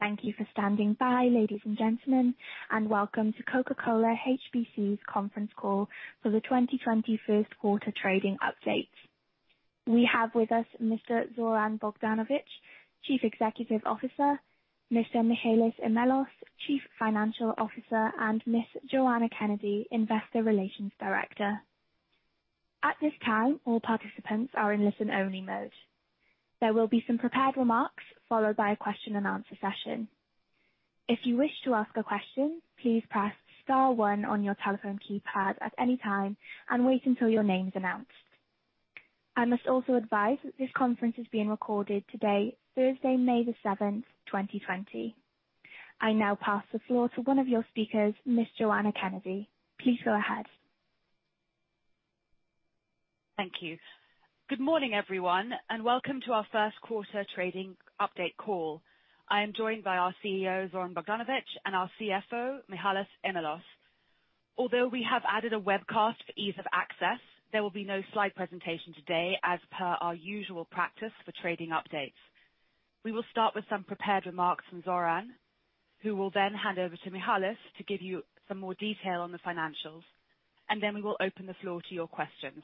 Thank you for standing by, ladies and gentlemen, and welcome to Coca-Cola HBC's conference call for the 2020 first quarter trading updates. We have with us Mr. Zoran Bogdanovic, Chief Executive Officer, Mr. Michalis Imellos, Chief Financial Officer, and Ms. Joanna Kennedy, Investor Relations Director. At this time, all participants are in listen-only mode. There will be some prepared remarks followed by a question-and-answer session. If you wish to ask a question, please press star one on your telephone keypad at any time and wait until your name is announced. I must also advise that this conference is being recorded today, Thursday, May the 7th, 2020. I now pass the floor to one of your speakers, Ms. Joanna Kennedy. Please go ahead. Thank you. Good morning, everyone, and welcome to our first quarter trading update call. I am joined by our CEO, Zoran Bogdanovic, and our CFO, Michalis Imellos. Although we have added a webcast for ease of access, there will be no slide presentation today, as per our usual practice for trading updates. We will start with some prepared remarks from Zoran, who will then hand over to Michalis to give you some more detail on the financials, and then we will open the floor to your questions.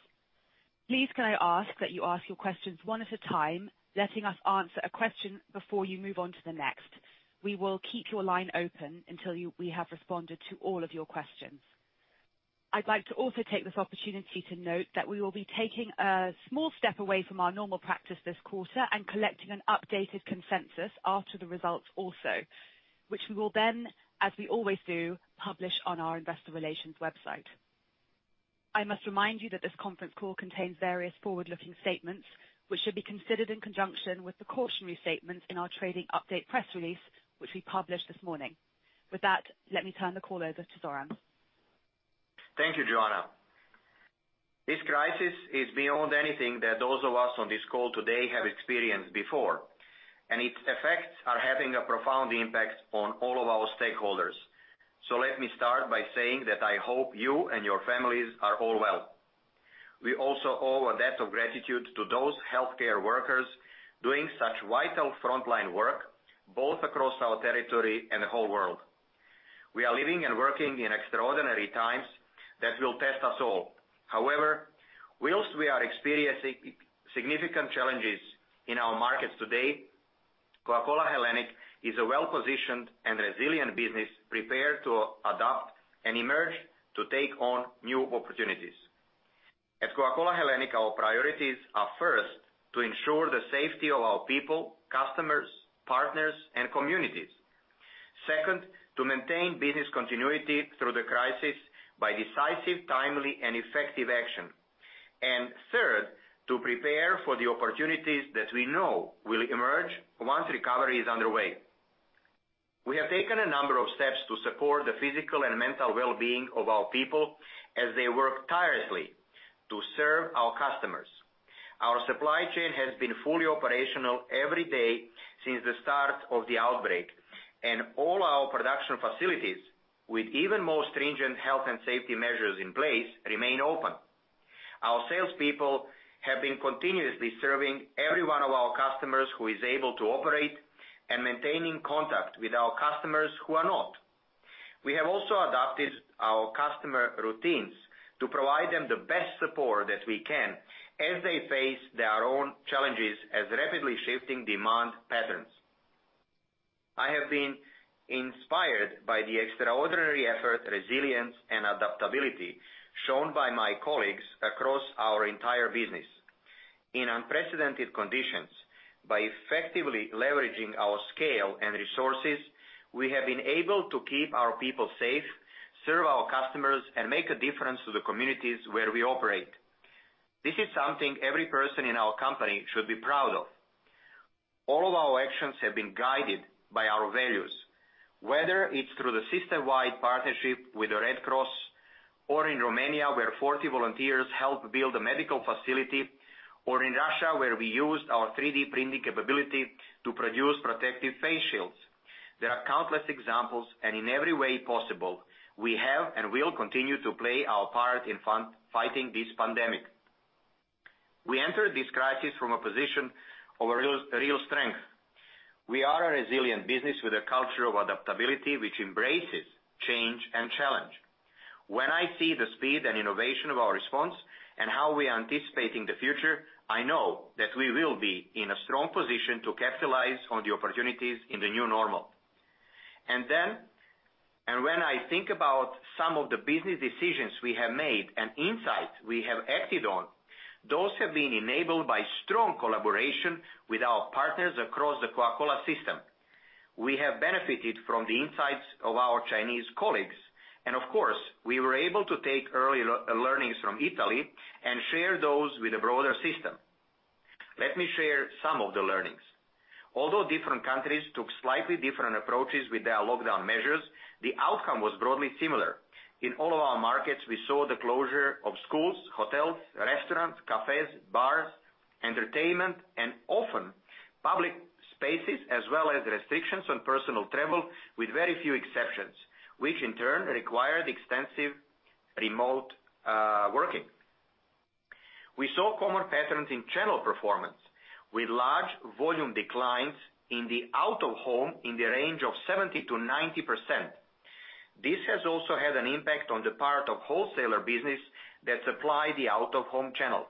Please, can I ask that you ask your questions one at a time, letting us answer a question before you move on to the next? We will keep your line open until we have responded to all of your questions. I'd like to also take this opportunity to note that we will be taking a small step away from our normal practice this quarter and collecting an updated consensus after the results also, which we will then, as we always do, publish on our Investor Relations website. I must remind you that this conference call contains various forward-looking statements, which should be considered in conjunction with the cautionary statements in our trading update press release, which we published this morning. With that, let me turn the call over to Zoran. Thank you, Joanna. This crisis is beyond anything that those of us on this call today have experienced before, and its effects are having a profound impact on all of our stakeholders. So let me start by saying that I hope you and your families are all well. We also owe a debt of gratitude to those healthcare workers doing such vital frontline work, both across our territory and the whole world. We are living and working in extraordinary times that will test us all. However, while we are experiencing significant challenges in our markets today, Coca-Cola Hellenic is a well-positioned and resilient business prepared to adapt and emerge to take on new opportunities. At Coca-Cola Hellenic, our priorities are first, to ensure the safety of our people, customers, partners, and communities, second, to maintain business continuity through the crisis by decisive, timely, and effective action, and third, to prepare for the opportunities that we know will emerge once recovery is underway. We have taken a number of steps to support the physical and mental well-being of our people as they work tirelessly to serve our customers. Our supply chain has been fully operational every day since the start of the outbreak, and all our production facilities, with even more stringent health and safety measures in place, remain open. Our salespeople have been continuously serving every one of our customers who is able to operate and maintaining contact with our customers who are not. We have also adapted our customer routines to provide them the best support that we can as they face their own challenges as rapidly shifting demand patterns. I have been inspired by the extraordinary effort, resilience, and adaptability shown by my colleagues across our entire business. In unprecedented conditions, by effectively leveraging our scale and resources, we have been able to keep our people safe, serve our customers, and make a difference to the communities where we operate. This is something every person in our company should be proud of. All of our actions have been guided by our values, whether it's through the system-wide partnership with the Red Cross or in Romania, where 40 volunteers helped build a medical facility, or in Russia, where we used our 3D printing capability to produce protective face shields. There are countless examples, and in every way possible, we have and will continue to play our part in fighting this pandemic. We entered this crisis from a position of real strength. We are a resilient business with a culture of adaptability which embraces change and challenge. When I see the speed and innovation of our response and how we are anticipating the future, I know that we will be in a strong position to capitalize on the opportunities in the new normal, and when I think about some of the business decisions we have made and insights we have acted on, those have been enabled by strong collaboration with our partners across the Coca-Cola system. We have benefited from the insights of our Chinese colleagues, and of course, we were able to take early learnings from Italy and share those with a broader system. Let me share some of the learnings. Although different countries took slightly different approaches with their lockdown measures, the outcome was broadly similar. In all of our markets, we saw the closure of schools, hotels, restaurants, cafes, bars, entertainment, and often public spaces, as well as restrictions on personal travel with very few exceptions, which in turn required extensive remote working. We saw common patterns in channel performance, with large volume declines in the out-of-home in the range of 70%-90%. This has also had an impact on the part of wholesaler business that supplied the out-of-home channel.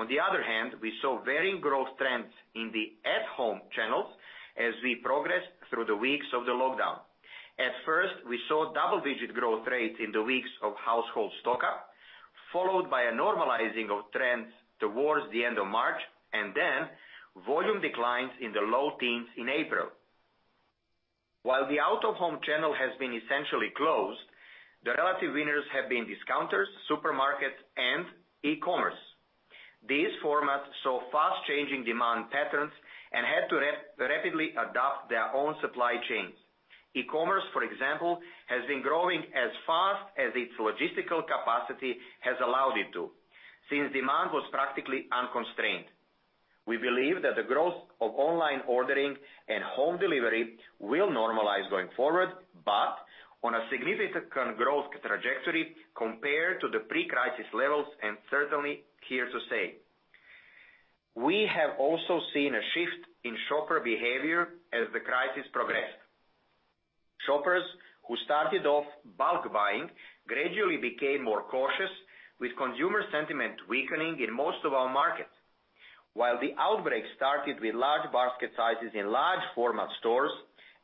On the other hand, we saw varying growth trends in the at-home channels as we progressed through the weeks of the lockdown. At first, we saw double-digit growth rates in the weeks of household stock-up, followed by a normalizing of trends towards the end of March, and then volume declines in the low teens in April. While the out-of-home channel has been essentially closed, the relative winners have been discounters, supermarkets, and e-commerce. These formats saw fast-changing demand patterns and had to rapidly adapt their own supply chains. E-commerce, for example, has been growing as fast as its logistical capacity has allowed it to, since demand was practically unconstrained. We believe that the growth of online ordering and home delivery will normalize going forward, but on a significant growth trajectory compared to the pre-crisis levels, and certainly here to stay. We have also seen a shift in shopper behavior as the crisis progressed. Shoppers who started off bulk buying gradually became more cautious, with consumer sentiment weakening in most of our markets. While the outbreak started with large basket sizes in large-format stores,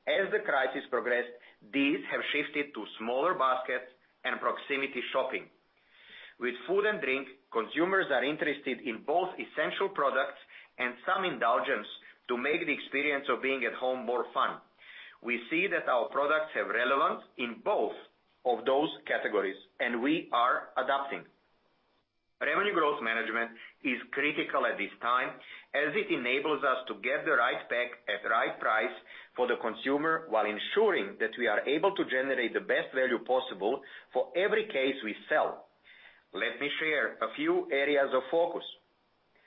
as the crisis progressed, these have shifted to smaller baskets and proximity shopping. With food and drink, consumers are interested in both essential products and some indulgence to make the experience of being at home more fun. We see that our products have relevance in both of those categories, and we are adapting. Revenue growth management is critical at this time, as it enables us to get the right pack at the right price for the consumer, while ensuring that we are able to generate the best value possible for every case we sell. Let me share a few areas of focus.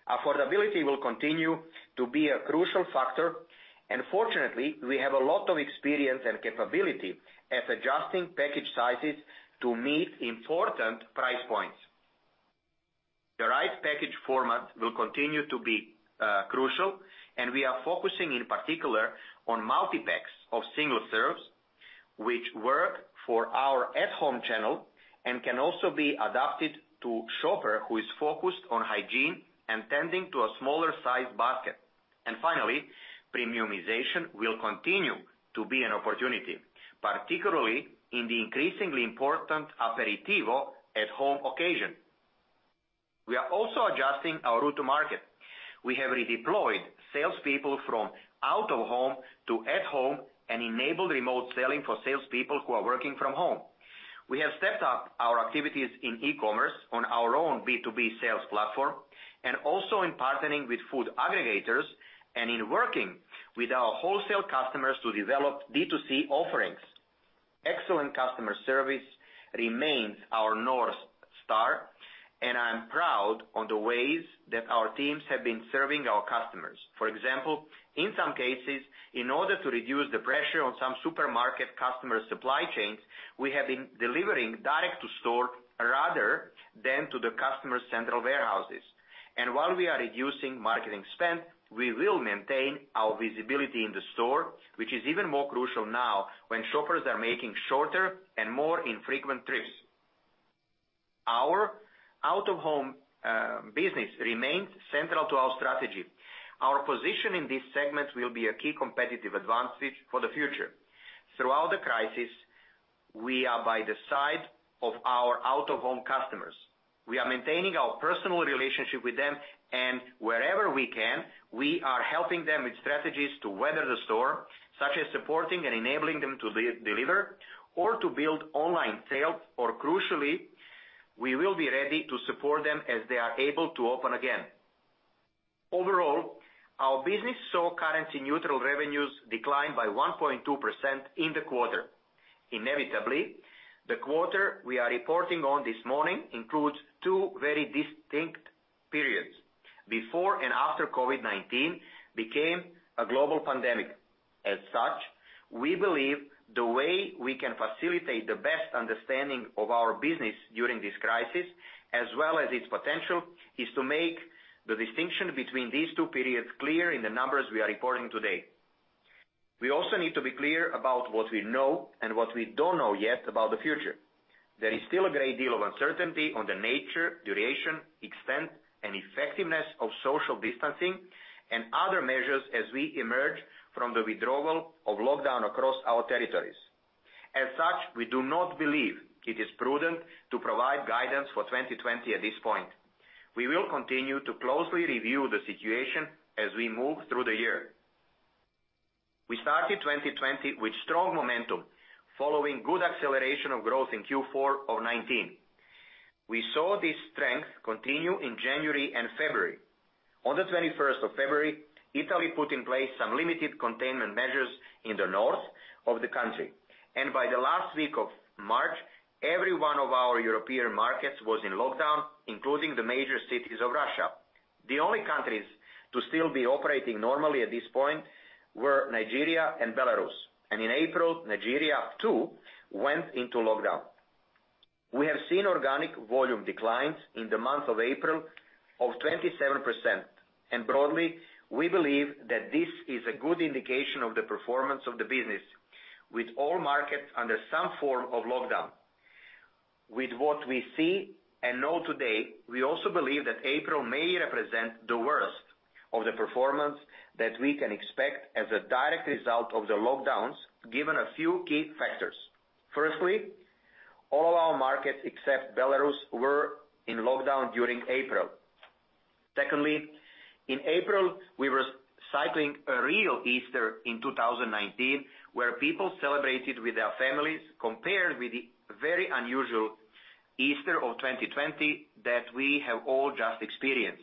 Affordability will continue to be a crucial factor, and fortunately, we have a lot of experience and capability at adjusting package sizes to meet important price points. The right package format will continue to be crucial, and we are focusing in particular on multi-packs of single serves, which work for our at-home channel and can also be adapted to shopper who is focused on hygiene and tending to a smaller-sized basket, and finally, premiumization will continue to be an opportunity, particularly in the increasingly important aperitivo at home occasion. We are also adjusting our route to market. We have redeployed salespeople from out-of-home to at-home and enabled remote selling for salespeople who are working from home. We have stepped up our activities in e-commerce on our own B2B sales platform and also in partnering with food aggregators and in working with our wholesale customers to develop D2C offerings. Excellent customer service remains our North Star, and I'm proud of the ways that our teams have been serving our customers. For example, in some cases, in order to reduce the pressure on some supermarket customer supply chains, we have been delivering direct to store rather than to the customer's central warehouses. And while we are reducing marketing spend, we will maintain our visibility in the store, which is even more crucial now when shoppers are making shorter and more infrequent trips. Our out-of-home business remains central to our strategy. Our position in this segment will be a key competitive advantage for the future. Throughout the crisis, we are by the side of our out-of-home customers. We are maintaining our personal relationship with them, and wherever we can, we are helping them with strategies to weather the storm, such as supporting and enabling them to deliver or to build online sales, or crucially, we will be ready to support them as they are able to open again. Overall, our business saw currency-neutral revenues decline by 1.2% in the quarter. Inevitably, the quarter we are reporting on this morning includes two very distinct periods: before and after COVID-19 became a global pandemic. As such, we believe the way we can facilitate the best understanding of our business during this crisis, as well as its potential, is to make the distinction between these two periods clear in the numbers we are reporting today. We also need to be clear about what we know and what we don't know yet about the future. There is still a great deal of uncertainty on the nature, duration, extent, and effectiveness of social distancing and other measures as we emerge from the withdrawal of lockdown across our territories. As such, we do not believe it is prudent to provide guidance for 2020 at this point. We will continue to closely review the situation as we move through the year. We started 2020 with strong momentum, following good acceleration of growth in Q4 of 2019. We saw this strength continue in January and February. On the 21st of February, Italy put in place some limited containment measures in the north of the country, and by the last week of March, every one of our European markets was in lockdown, including the major cities of Russia. The only countries to still be operating normally at this point were Nigeria and Belarus, and in April, Nigeria too went into lockdown. We have seen organic volume declines in the month of April of 27%, and broadly, we believe that this is a good indication of the performance of the business, with all markets under some form of lockdown. With what we see and know today, we also believe that April may represent the worst of the performance that we can expect as a direct result of the lockdowns, given a few key factors. Firstly, all of our markets, except Belarus, were in lockdown during April. Secondly, in April, we were cycling a real Easter in 2019, where people celebrated with their families compared with the very unusual Easter of 2020 that we have all just experienced.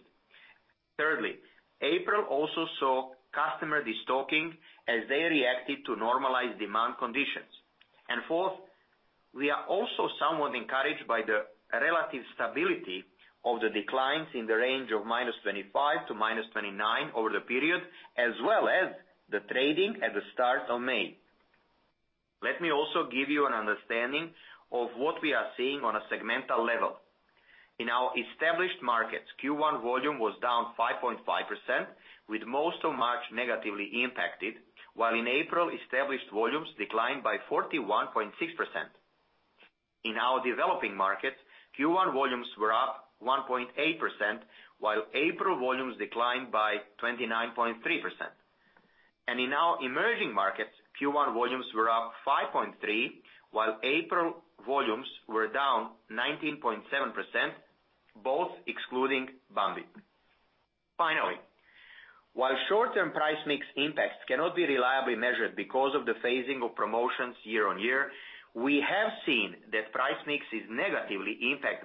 Thirdly, April also saw customer destocking as they reacted to normalized demand conditions. And fourth, we are also somewhat encouraged by the relative stability of the declines in the range of -25% to -29% over the period, as well as the trading at the start of May. Let me also give you an understanding of what we are seeing on a segmental level. In our established markets, Q1 volume was down 5.5%, with most of March negatively impacted, while in April, established volumes declined by 41.6%. In our developing markets, Q1 volumes were up 1.8%, while April volumes declined by 29.3%. In our emerging markets, Q1 volumes were up 5.3%, while April volumes were down 19.7%, both excluding Bambi. Finally, while short-term price mix impacts cannot be reliably measured because of the phasing of promotions year on year, we have seen that price mix is negatively impacted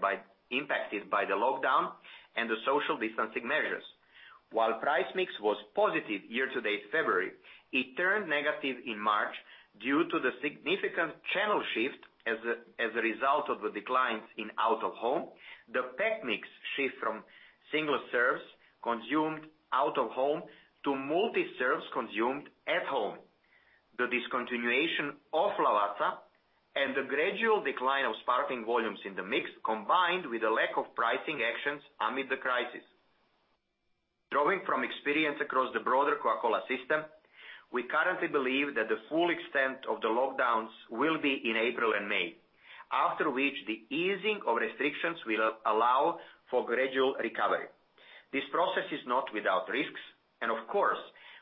by the lockdown and the social distancing measures. While price mix was positive year-to-date February, it turned negative in March due to the significant channel shift as a result of the declines in out-of-home. The pack mix shift from single serves consumed out-of-home to multi-serves consumed at home. The discontinuation of Lavazza and the gradual decline of sparkling volumes in the mix, combined with the lack of pricing actions amid the crisis. Drawing from experience across the broader Coca-Cola system, we currently believe that the full extent of the lockdowns will be in April and May, after which the easing of restrictions will allow for gradual recovery. This process is not without risks, and of course,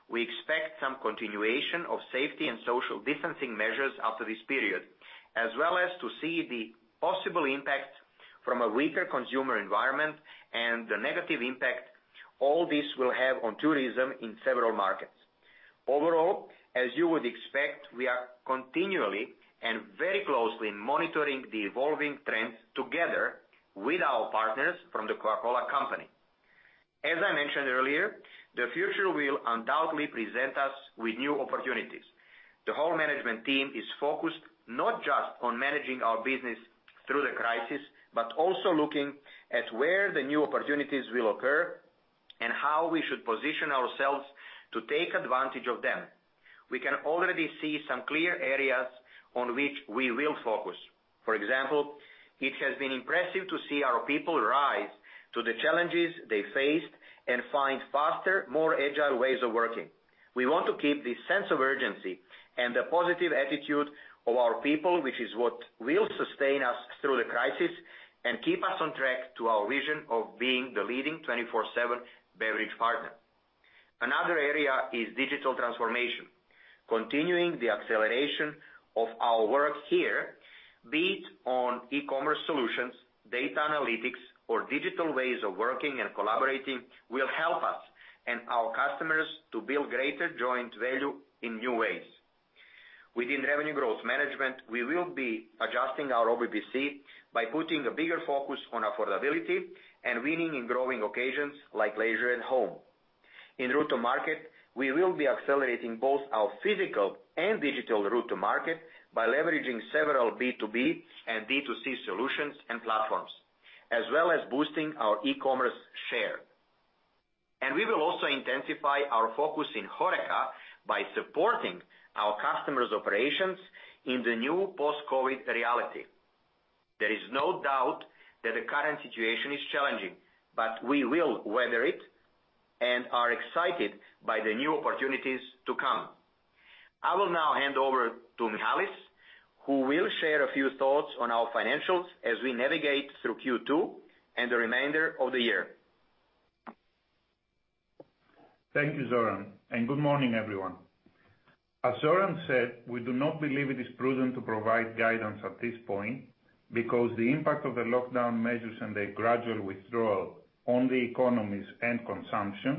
we expect some continuation of safety and social distancing measures after this period, as well as to see the possible impact from a weaker consumer environment and the negative impact all this will have on tourism in several markets. Overall, as you would expect, we are continually and very closely monitoring the evolving trends together with our partners from the Coca-Cola Company. As I mentioned earlier, the future will undoubtedly present us with new opportunities. The whole management team is focused not just on managing our business through the crisis, but also looking at where the new opportunities will occur and how we should position ourselves to take advantage of them. We can already see some clear areas on which we will focus. For example, it has been impressive to see our people rise to the challenges they faced and find faster, more agile ways of working. We want to keep the sense of urgency and the positive attitude of our people, which is what will sustain us through the crisis and keep us on track to our vision of being the leading 24/7 beverage partner. Another area is digital transformation. Continuing the acceleration of our work here, be it on e-commerce solutions, data analytics, or digital ways of working and collaborating, will help us and our customers to build greater joint value in new ways. Within revenue growth management, we will be adjusting our OBPPC by putting a bigger focus on affordability and winning in growing occasions like leisure at home. In route to market, we will be accelerating both our physical and digital route to market by leveraging several B2B and D2C solutions and platforms, as well as boosting our e-commerce share. And we will also intensify our focus in HoReCa by supporting our customers' operations in the new post-COVID reality. There is no doubt that the current situation is challenging, but we will weather it and are excited by the new opportunities to come. I will now hand over to Michalis, who will share a few thoughts on our financials as we navigate through Q2 and the remainder of the year. Thank you, Zoran, and good morning, everyone. As Zoran said, we do not believe it is prudent to provide guidance at this point because the impact of the lockdown measures and their gradual withdrawal on the economies and consumption,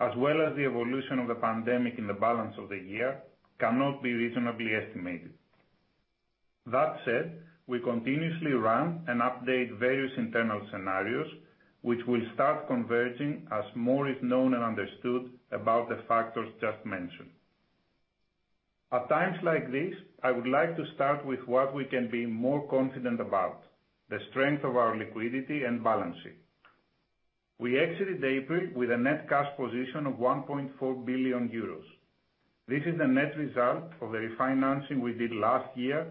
as well as the evolution of the pandemic in the balance of the year, cannot be reasonably estimated. That said, we continuously run and update various internal scenarios, which will start converging as more is known and understood about the factors just mentioned. At times like this, I would like to start with what we can be more confident about: the strength of our liquidity and balance sheet. We exited April with a net cash position of 1.4 billion euros. This is the net result of the refinancing we did last year,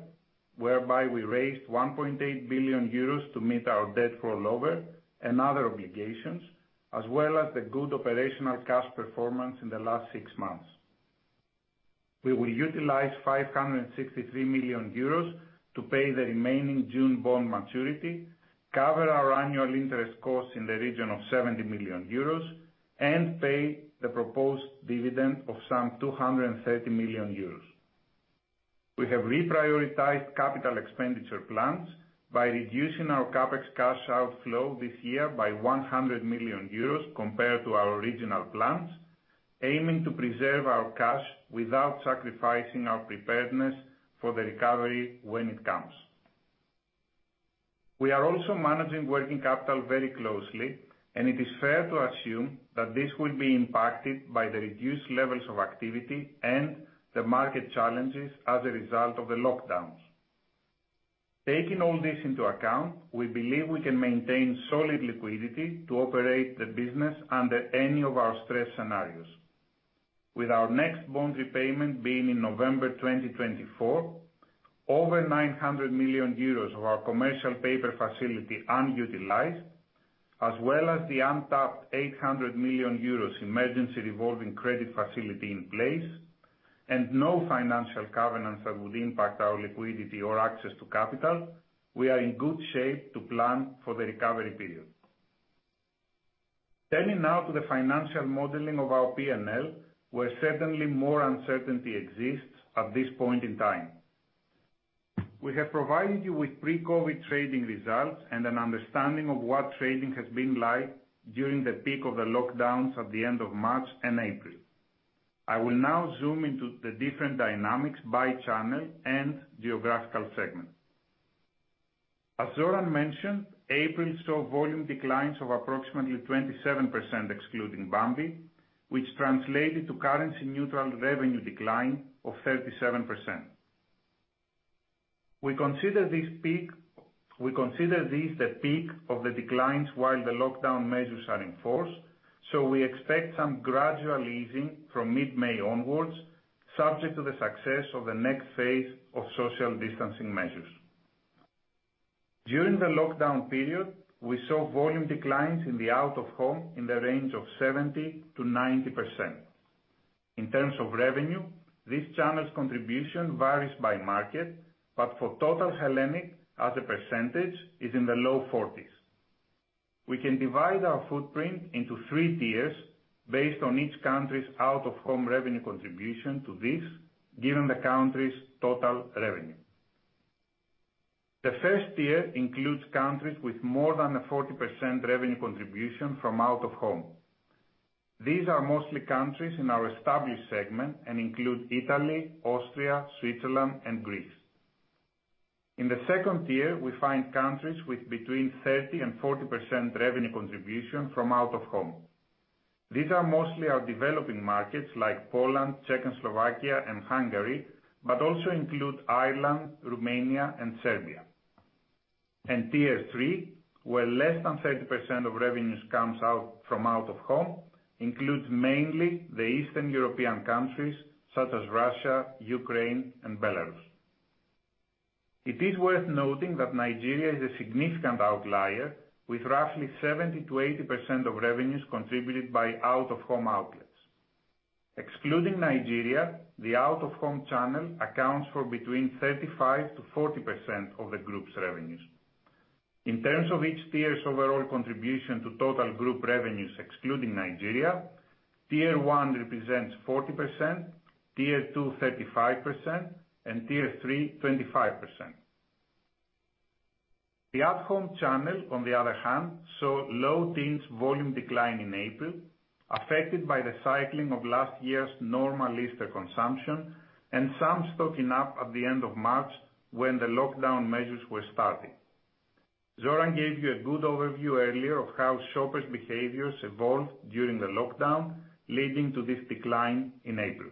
whereby we raised 1.8 billion euros to meet our debt rollover and other obligations, as well as the good operational cash performance in the last six months. We will utilize 563 million euros to pay the remaining June bond maturity, cover our annual interest costs in the region of 70 million euros, and pay the proposed dividend of some 230 million euros. We have reprioritized capital expenditure plans by reducing our CapEx cash outflow this year by 100 million euros compared to our original plans, aiming to preserve our cash without sacrificing our preparedness for the recovery when it comes. We are also managing working capital very closely, and it is fair to assume that this will be impacted by the reduced levels of activity and the market challenges as a result of the lockdowns. Taking all this into account, we believe we can maintain solid liquidity to operate the business under any of our stress scenarios. With our next bond repayment being in November 2024, over 900 million euros of our commercial paper facility unutilized, as well as the untapped 800 million euros emergency revolving credit facility in place, and no financial covenants that would impact our liquidity or access to capital, we are in good shape to plan for the recovery period. Turning now to the financial modeling of our P&L, where certainly more uncertainty exists at this point in time. We have provided you with pre-COVID trading results and an understanding of what trading has been like during the peak of the lockdowns at the end of March and April. I will now zoom into the different dynamics by channel and geographical segment. As Zoran mentioned, April saw volume declines of approximately 27%, excluding Bambi, which translated to currency-neutral revenue decline of 37%. We consider these the peak of the declines while the lockdown measures are in force, so we expect some gradual easing from mid-May onwards, subject to the success of the next phase of social distancing measures. During the lockdown period, we saw volume declines in the out-of-home in the range of 70%-90%. In terms of revenue, this channel's contribution varies by market, but for total Hellenic as a percentage, it is in the low 40s. We can divide our footprint into three tiers based on each country's out-of-home revenue contribution to this, given the country's total revenue. The first tier includes countries with more than a 40% revenue contribution from out-of-home. These are mostly countries in our established segment and include Italy, Austria, Switzerland, and Greece. In the second tier, we find countries with between 30% and 40% revenue contribution from out-of-home. These are mostly our developing markets like Poland, Czech and Slovakia, and Hungary, but also include Ireland, Romania, and Serbia, and tier three, where less than 30% of revenues come from out-of-home, includes mainly the Eastern European countries such as Russia, Ukraine, and Belarus. It is worth noting that Nigeria is a significant outlier, with roughly 70%-80% of revenues contributed by out-of-home outlets. Excluding Nigeria, the out-of-home channel accounts for between 35%-40% of the group's revenues. In terms of each tier's overall contribution to total group revenues, excluding Nigeria, tier one represents 40%, tier two 35%, and tier three 25%. The out-of-home channel, on the other hand, saw low-teens volume decline in April, affected by the cycling of last year's normal Easter consumption and some stocking up at the end of March when the lockdown measures were starting. Zoran gave you a good overview earlier of how shoppers' behaviors evolved during the lockdown, leading to this decline in April.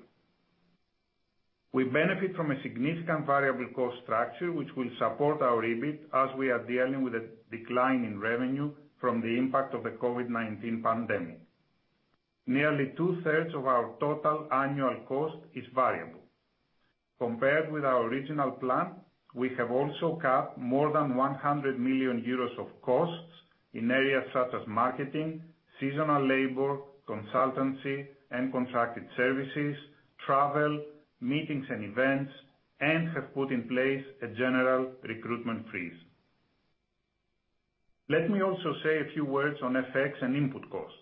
We benefit from a significant variable cost structure, which will support our EBIT as we are dealing with a decline in revenue from the impact of the COVID-19 pandemic. Nearly two-thirds of our total annual cost is variable. Compared with our original plan, we have also cut more than 100 million euros of costs in areas such as marketing, seasonal labor, consultancy, and contracted services, travel, meetings and events, and have put in place a general recruitment freeze. Let me also say a few words on FX and input costs.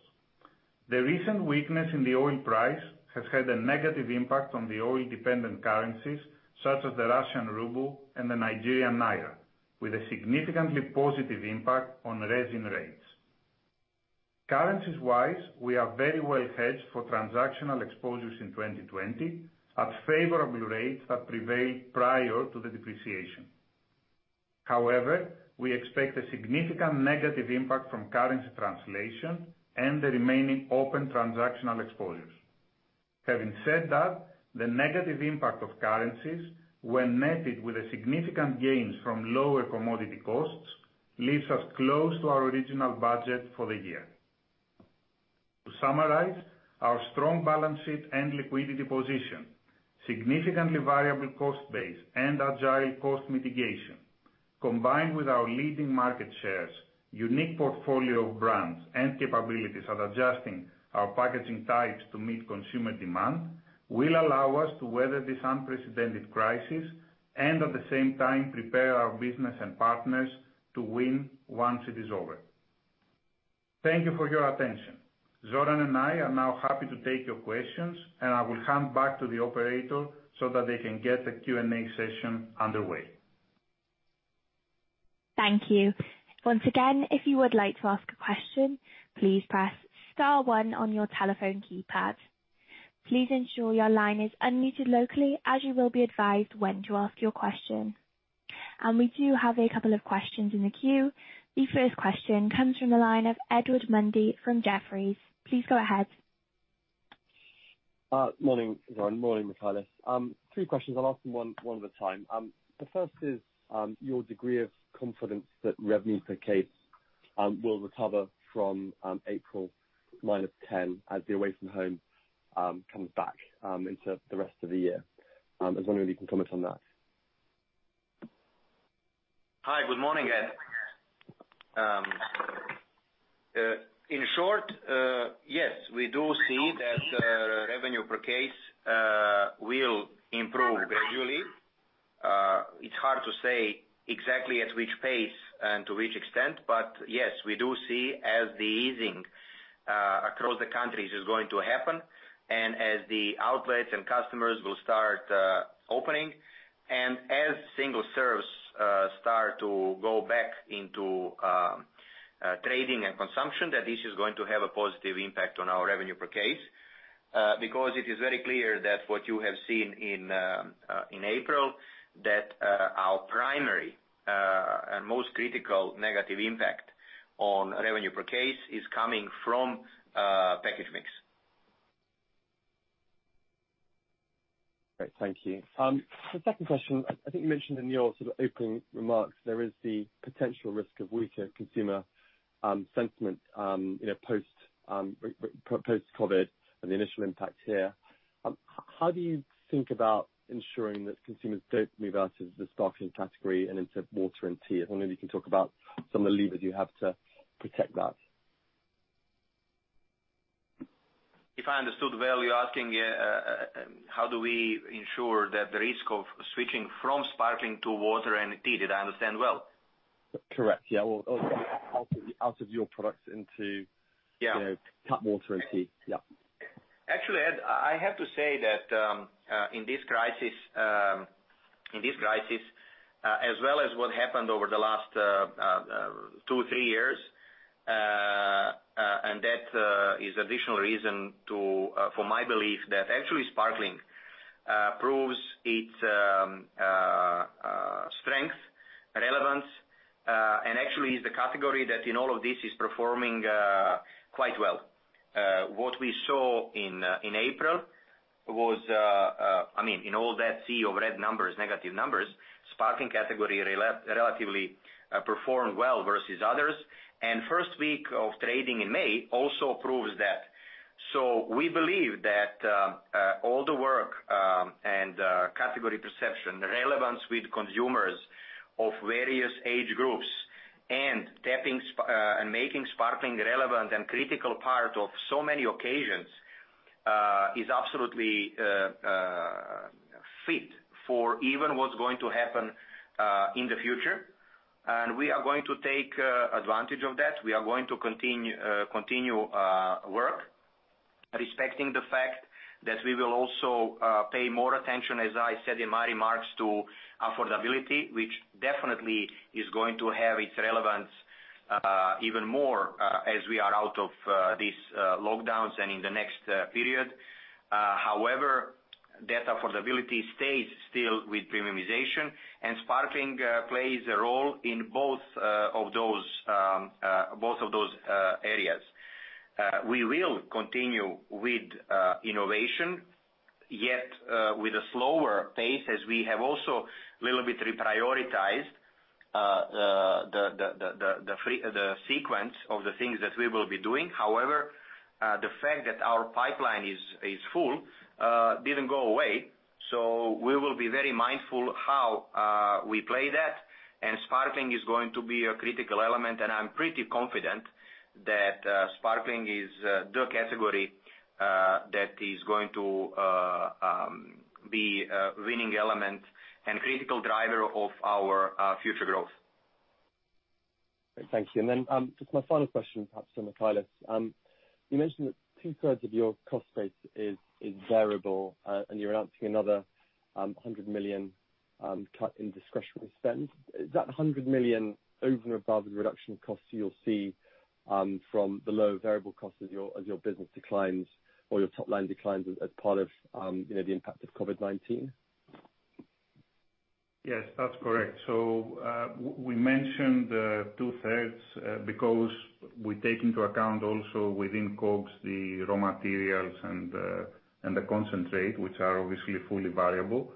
The recent weakness in the oil price has had a negative impact on the oil-dependent currencies such as the Russian ruble and the Nigerian naira, with a significantly positive impact on resin rates. Currencies-wise, we are very well hedged for transactional exposures in 2020 at favorable rates that prevailed prior to the depreciation. However, we expect a significant negative impact from currency translation and the remaining open transactional exposures. Having said that, the negative impact of currencies, when netted with significant gains from lower commodity costs, leaves us close to our original budget for the year. To summarize, our strong balance sheet and liquidity position, significantly variable cost base, and agile cost mitigation, combined with our leading market shares, unique portfolio of brands, and capabilities at adjusting our packaging types to meet consumer demand, will allow us to weather this unprecedented crisis and, at the same time, prepare our business and partners to win once it is over. Thank you for your attention. Zoran and I are now happy to take your questions, and I will hand back to the operator so that they can get the Q&A session underway. Thank you. Once again, if you would like to ask a question, please press star one on your telephone keypad. Please ensure your line is unmuted locally, as you will be advised when to ask your question. And we do have a couple of questions in the queue. The first question comes from the line of Edward Mundy from Jefferies. Please go ahead. Morning, Zoran. Morning, Michalis. Three questions. I'll ask them one at a time. The first is your degree of confidence that revenue per case will recover from April -10% as the away from home comes back into the rest of the year. I was wondering if you could comment on that. Hi. Good morning, Ed. In short, yes, we do see that revenue per case will improve gradually. It's hard to say exactly at which pace and to which extent, but yes, we do see as the easing across the countries is going to happen and as the outlets and customers will start opening and as single serves start to go back into trading and consumption, that this is going to have a positive impact on our revenue per case because it is very clear that what you have seen in April, that our primary and most critical negative impact on revenue per case is coming from package mix. Great. Thank you. The second question, I think you mentioned in your sort of opening remarks, there is the potential risk of weaker consumer sentiment post-COVID and the initial impact here. How do you think about ensuring that consumers don't move out of the sparkling category and into water and tea? I wonder if you can talk about some of the levers you have to protect that. If I understood well, you're asking how do we ensure that the risk of switching from sparkling to water and tea? Did I understand well? Correct. Yeah. Or out of your products into tap water and tea. Yeah. Actually, Ed, I have to say that in this crisis, as well as what happened over the last two, three years, and that is an additional reason for my belief that actually sparkling proves its strength, relevance, and actually is the category that in all of this is performing quite well. What we saw in April was, I mean, in all that sea of red numbers, negative numbers, sparkling category relatively performed well versus others. And first week of trading in May also proves that. So we believe that all the work and category perception, the relevance with consumers of various age groups and making sparkling relevant and critical part of so many occasions is absolutely fit for even what's going to happen in the future. And we are going to take advantage of that. We are going to continue work, respecting the fact that we will also pay more attention, as I said in my remarks, to affordability, which definitely is going to have its relevance even more as we are out of these lockdowns and in the next period. However, that affordability stays still with premiumization, and sparkling plays a role in both of those areas. We will continue with innovation, yet with a slower pace as we have also a little bit reprioritized the sequence of the things that we will be doing. However, the fact that our pipeline is full didn't go away. So we will be very mindful how we play that, and sparkling is going to be a critical element. And I'm pretty confident that sparkling is the category that is going to be a winning element and critical driver of our future growth. Great. Thank you. And then just my final question, perhaps, Michalis. You mentioned that two-thirds of your cost base is variable, and you're announcing another 100 million cut in discretionary spend. Is that 100 million over and above the reduction of costs you'll see from the low variable costs as your business declines or your top line declines as part of the impact of COVID-19? Yes, that's correct. So we mentioned two-thirds because we take into account also within COGS the raw materials and the concentrate, which are obviously fully variable.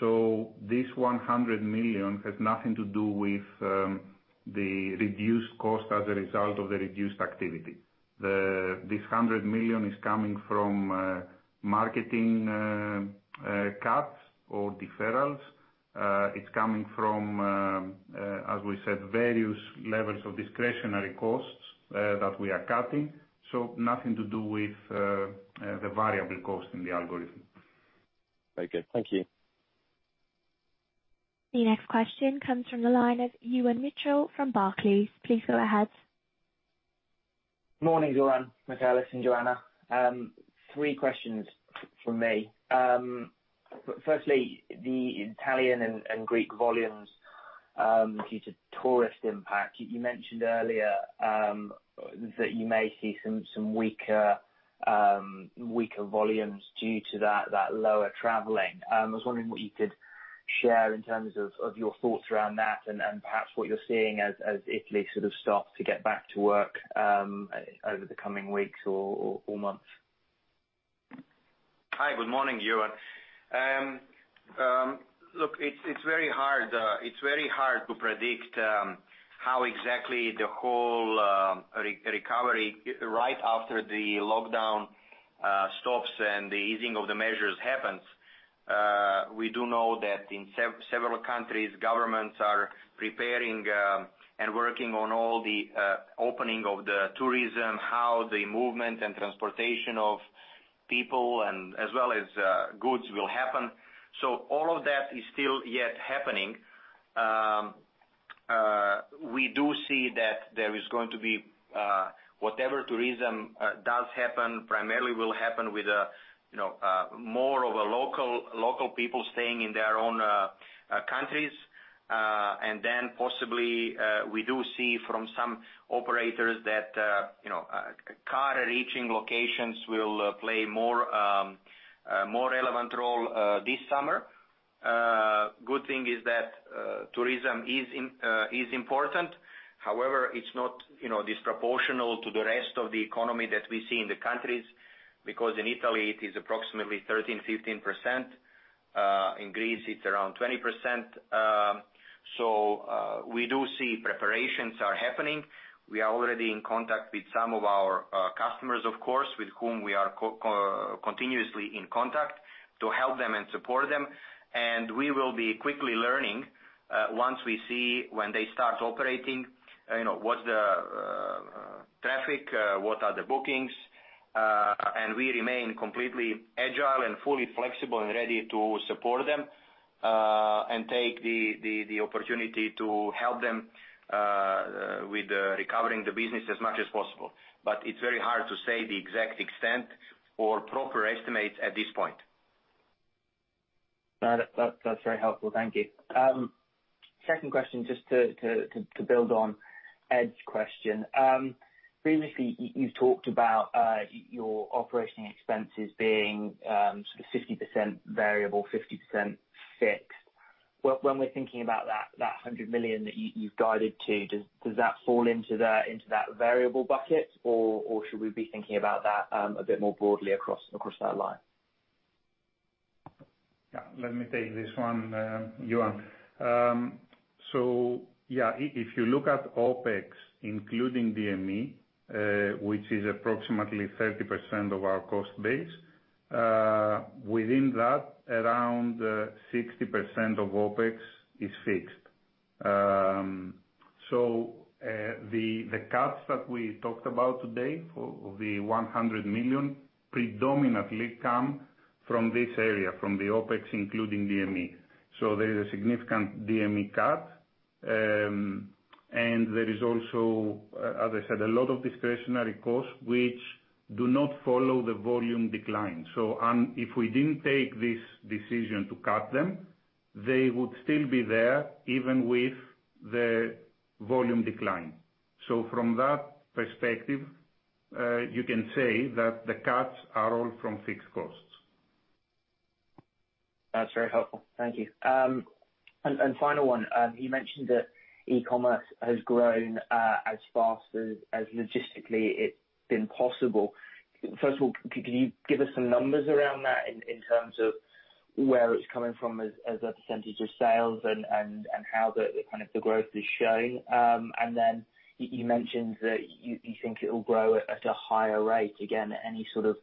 So this 100 million has nothing to do with the reduced cost as a result of the reduced activity. This 100 million is coming from marketing cuts or deferrals. It's coming from, as we said, various levels of discretionary costs that we are cutting. So nothing to do with the variable cost in the algorithm. Very good. Thank you. The next question comes from the line of Ewan Mitchell from Barclays. Please go ahead. Morning, Zoran, Michalis, and Joanna. Three questions from me. Firstly, the Italian and Greek volumes due to tourist impact. You mentioned earlier that you may see some weaker volumes due to that lower traveling. I was wondering what you could share in terms of your thoughts around that and perhaps what you're seeing as Italy sort of starts to get back to work over the coming weeks or months. Hi. Good morning, Ewan. Look, it's very hard. It's very hard to predict how exactly the whole recovery right after the lockdown stops and the easing of the measures happens. We do know that in several countries, governments are preparing and working on all the opening of the tourism, how the movement and transportation of people and as well as goods will happen. So all of that is still yet happening. We do see that there is going to be whatever tourism does happen primarily will happen with more of a local people staying in their own countries. And then possibly we do see from some operators that car-reaching locations will play a more relevant role this summer. Good thing is that tourism is important. However, it's not disproportionate to the rest of the economy that we see in the countries because in Italy, it is approximately 13%-15%. In Greece, it's around 20%. So we do see preparations are happening. We are already in contact with some of our customers, of course, with whom we are continuously in contact to help them and support them. And we will be quickly learning once we see when they start operating what's the traffic, what are the bookings. And we remain completely agile and fully flexible and ready to support them and take the opportunity to help them with recovering the business as much as possible. But it's very hard to say the exact extent or proper estimates at this point. Got it. That's very helpful. Thank you. Second question, just to build on Ed's question. Previously, you've talked about your operating expenses being sort of 50% variable, 50% fixed. When we're thinking about that 100 million that you've guided to, does that fall into that variable bucket, or should we be thinking about that a bit more broadly across that line? Yeah. Let me take this one, Ewan. So yeah, if you look at OpEx including DME, which is approximately 30% of our cost base, within that, around 60% of OpEx is fixed. So the cuts that we talked about today for the 100 million predominantly come from this area, from the OpEx, including DME. So there is a significant DME cut. And there is also, as I said, a lot of discretionary costs which do not follow the volume decline. So if we didn't take this decision to cut them, they would still be there even with the volume decline. So from that perspective, you can say that the cuts are all from fixed costs. That's very helpful. Thank you. And final one, you mentioned that e-commerce has grown as fast as logistically it's been possible. First of all, could you give us some numbers around that in terms of where it's coming from as a percentage of sales and how the kind of growth is shown? And then you mentioned that you think it will grow at a higher rate. Again, any sort of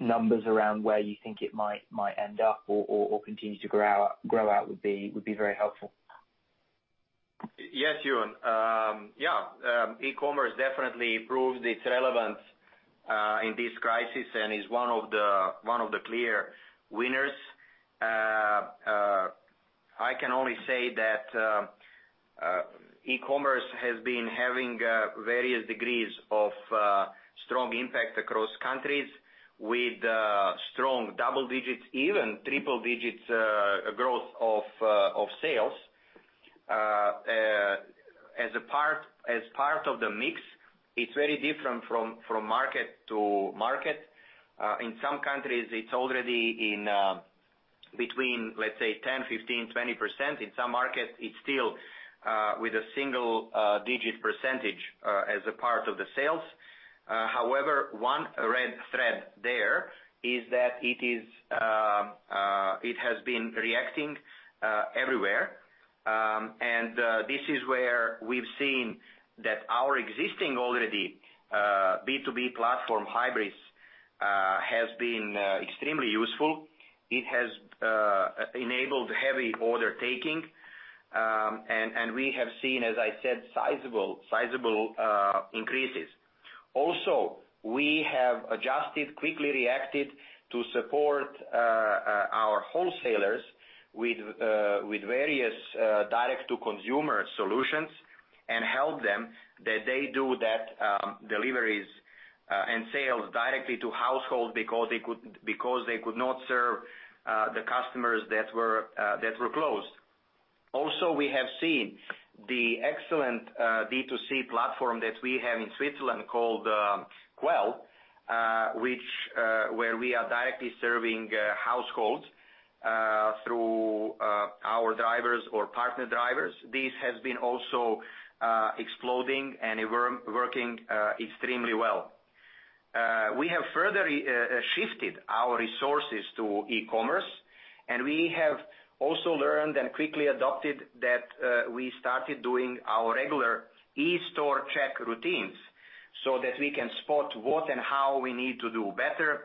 numbers around where you think it might end up or continue to grow out would be very helpful. Yes, Ewan. Yeah. E-commerce definitely proves its relevance in this crisis and is one of the clear winners. I can only say that e-commerce has been having various degrees of strong impact across countries with strong double-digits, even triple-digits growth of sales. As part of the mix, it's very different from market to market. In some countries, it's already in between, let's say, 10%, 15%, 20%. In some markets, it's still with a single-digit percentage as a part of the sales. However, one red thread there is that it has been reacting everywhere, and this is where we've seen that our existing already B2B platform Hybris has been extremely useful. It has enabled heavy order taking. And we have seen, as I said, sizable increases. Also, we have adjusted, quickly reacted to support our wholesalers with various direct-to-consumer solutions and help them that they do that deliveries and sales directly to households because they could not serve the customers that were closed. Also, we have seen the excellent B2C platform that we have in Switzerland called Qwell, where we are directly serving households through our drivers or partner drivers. This has been also exploding and working extremely well. We have further shifted our resources to e-commerce, and we have also learned and quickly adopted that we started doing our regular e-store check routines so that we can spot what and how we need to do better.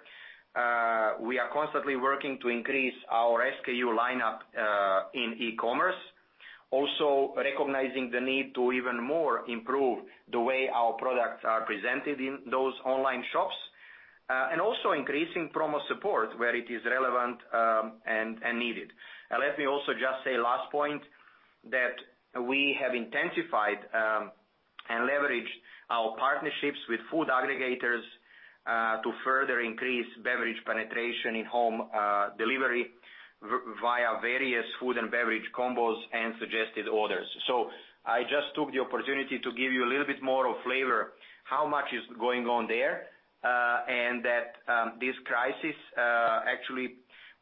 We are constantly working to increase our SKU lineup in e-commerce, also recognizing the need to even more improve the way our products are presented in those online shops, and also increasing promo support where it is relevant and needed. Let me also just say last point that we have intensified and leveraged our partnerships with food aggregators to further increase beverage penetration in home delivery via various food and beverage combos and suggested orders. So I just took the opportunity to give you a little bit more of flavor how much is going on there and that this crisis actually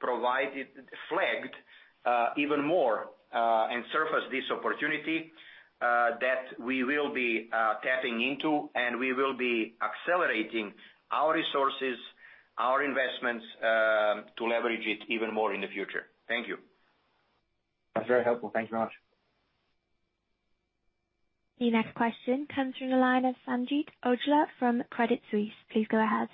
flagged even more and surfaced this opportunity that we will be tapping into and we will be accelerating our resources, our investments to leverage it even more in the future. Thank you. That's very helpful. Thank you very much. The next question comes from the line of Sanjeet Aujla from Credit Suisse. Please go ahead.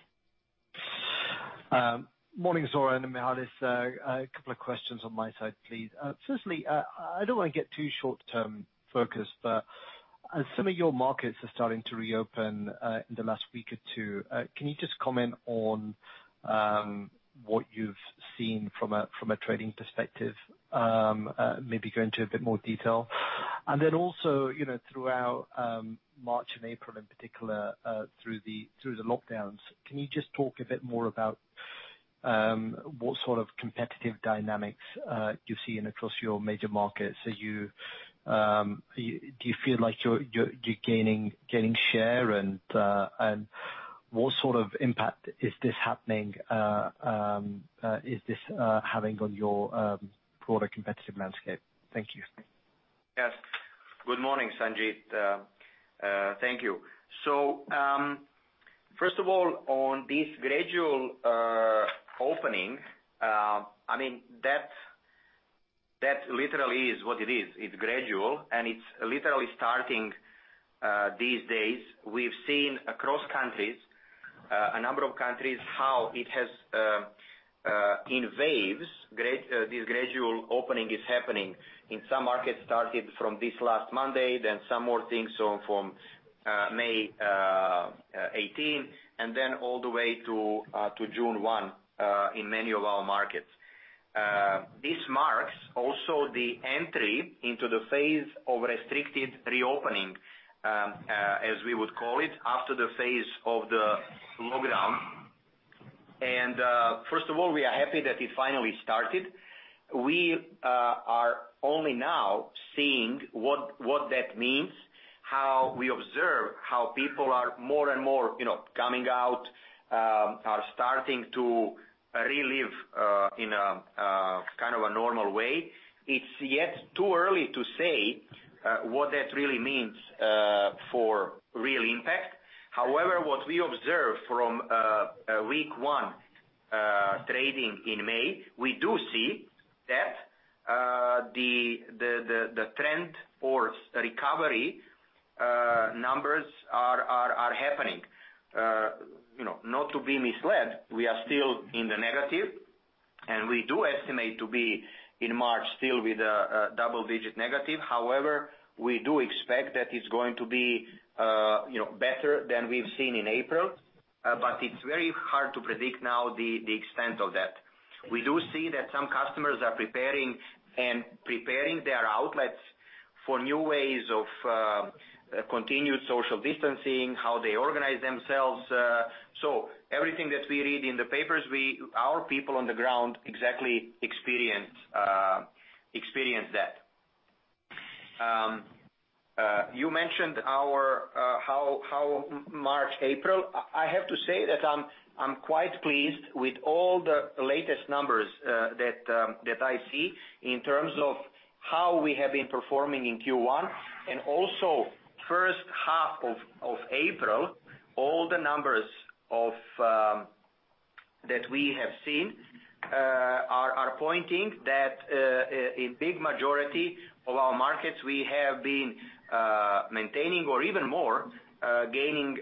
Morning, Zoran and Michalis. A couple of questions on my side, please. Firstly, I don't want to get too short-term focused, but as some of your markets are starting to reopen in the last week or two, can you just comment on what you've seen from a trading perspective, maybe go into a bit more detail? And then also throughout March and April, in particular, through the lockdowns, can you just talk a bit more about what sort of competitive dynamics you've seen across your major markets? Do you feel like you're gaining share, and what sort of impact is this having on your broader competitive landscape? Thank you. Yes. Good morning, Sanjeet. Thank you. So first of all, on this gradual opening, I mean, that literally is what it is. It's gradual, and it's literally starting these days. We've seen across countries, a number of countries, how it has in waves. This gradual opening is happening in some markets started from this last Monday, then some more things from May 18, and then all the way to June 1 in many of our markets. This marks also the entry into the phase of restricted reopening, as we would call it, after the phase of the lockdown, and first of all, we are happy that it finally started. We are only now seeing what that means, how we observe how people are more and more coming out, are starting to relive in a kind of a normal way. It's yet too early to say what that really means for real impact. However, what we observe from week one trading in May, we do see that the trend or recovery numbers are happening. Not to be misled, we are still in the negative, and we do estimate to be in March still with a double-digit negative. However, we do expect that it's going to be better than we've seen in April, but it's very hard to predict now the extent of that. We do see that some customers are preparing their outlets for new ways of continued social distancing, how they organize themselves. So everything that we read in the papers, our people on the ground exactly experience that. You mentioned our Q1, how March, April. I have to say that I'm quite pleased with all the latest numbers that I see in terms of how we have been performing in Q1. Also, first half of April, all the numbers that we have seen are pointing that in big majority of our markets, we have been maintaining or even more gaining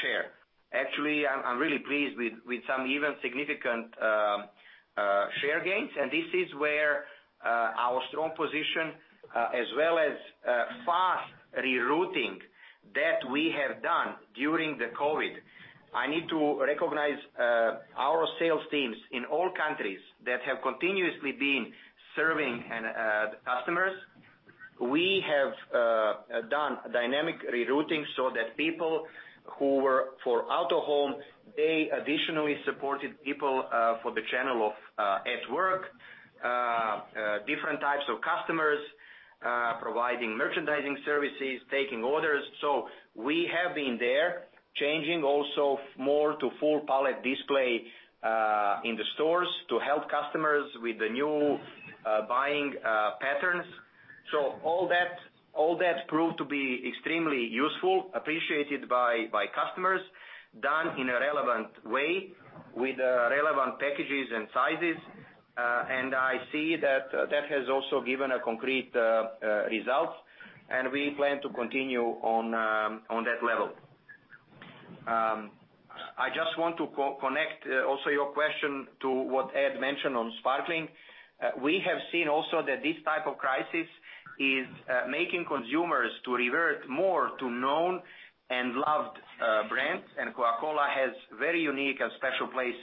share. Actually, I'm really pleased with some even significant share gains. And this is where our strong position, as well as fast rerouting that we have done during the COVID. I need to recognize our sales teams in all countries that have continuously been serving customers. We have done dynamic rerouting so that people who were for out-of-home, they additionally supported people for the channel of at work, different types of customers providing merchandising services, taking orders. So we have been there changing also more to full-pallet display in the stores to help customers with the new buying patterns. So all that proved to be extremely useful, appreciated by customers, done in a relevant way with relevant packages and sizes. And I see that that has also given concrete results, and we plan to continue on that level. I just want to connect also your question to what Ed mentioned on sparkling. We have seen also that this type of crisis is making consumers revert more to known and loved brands, and Coca-Cola has a very unique and special place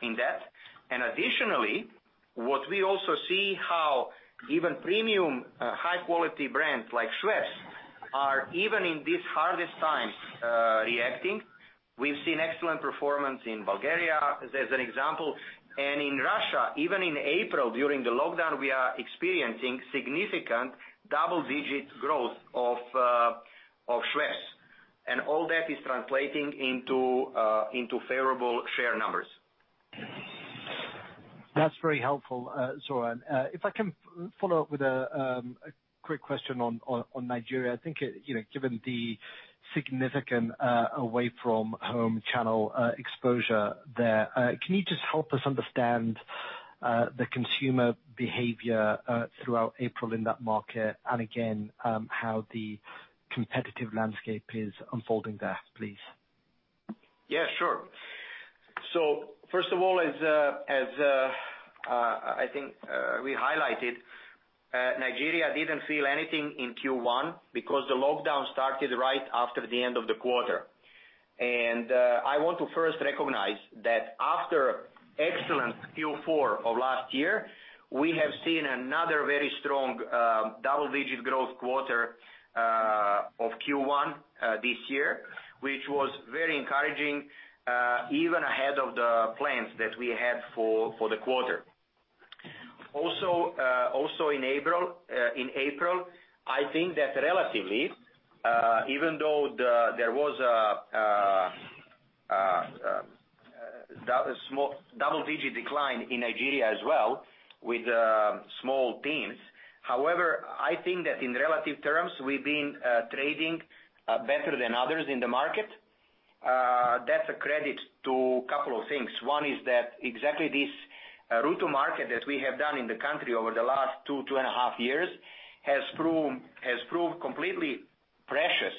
in that. Additionally, what we also see how even premium high-quality brands like Schweppes are even in these hardest times reacting. We've seen excellent performance in Bulgaria, as an example. In Russia, even in April during the lockdown, we are experiencing significant double-digit growth of Schweppes. All that is translating into favorable share numbers. That's very helpful, Zoran. If I can follow up with a quick question on Nigeria, I think given the significant away-from-home channel exposure there, can you just help us understand the consumer behavior throughout April in that market, and again, how the competitive landscape is unfolding there, please? Yeah, sure. First of all, as I think we highlighted, Nigeria didn't feel anything in Q1 because the lockdown started right after the end of the quarter. I want to first recognize that after excellent Q4 of last year, we have seen another very strong double-digit growth quarter of Q1 this year, which was very encouraging even ahead of the plans that we had for the quarter. Also in April, I think that relatively, even though there was a double-digit decline in Nigeria as well with small teams, however, I think that in relative terms, we've been trading better than others in the market. That's a credit to a couple of things. One is that exactly this route to market that we have done in the country over the last two, two and a half years has proved completely precious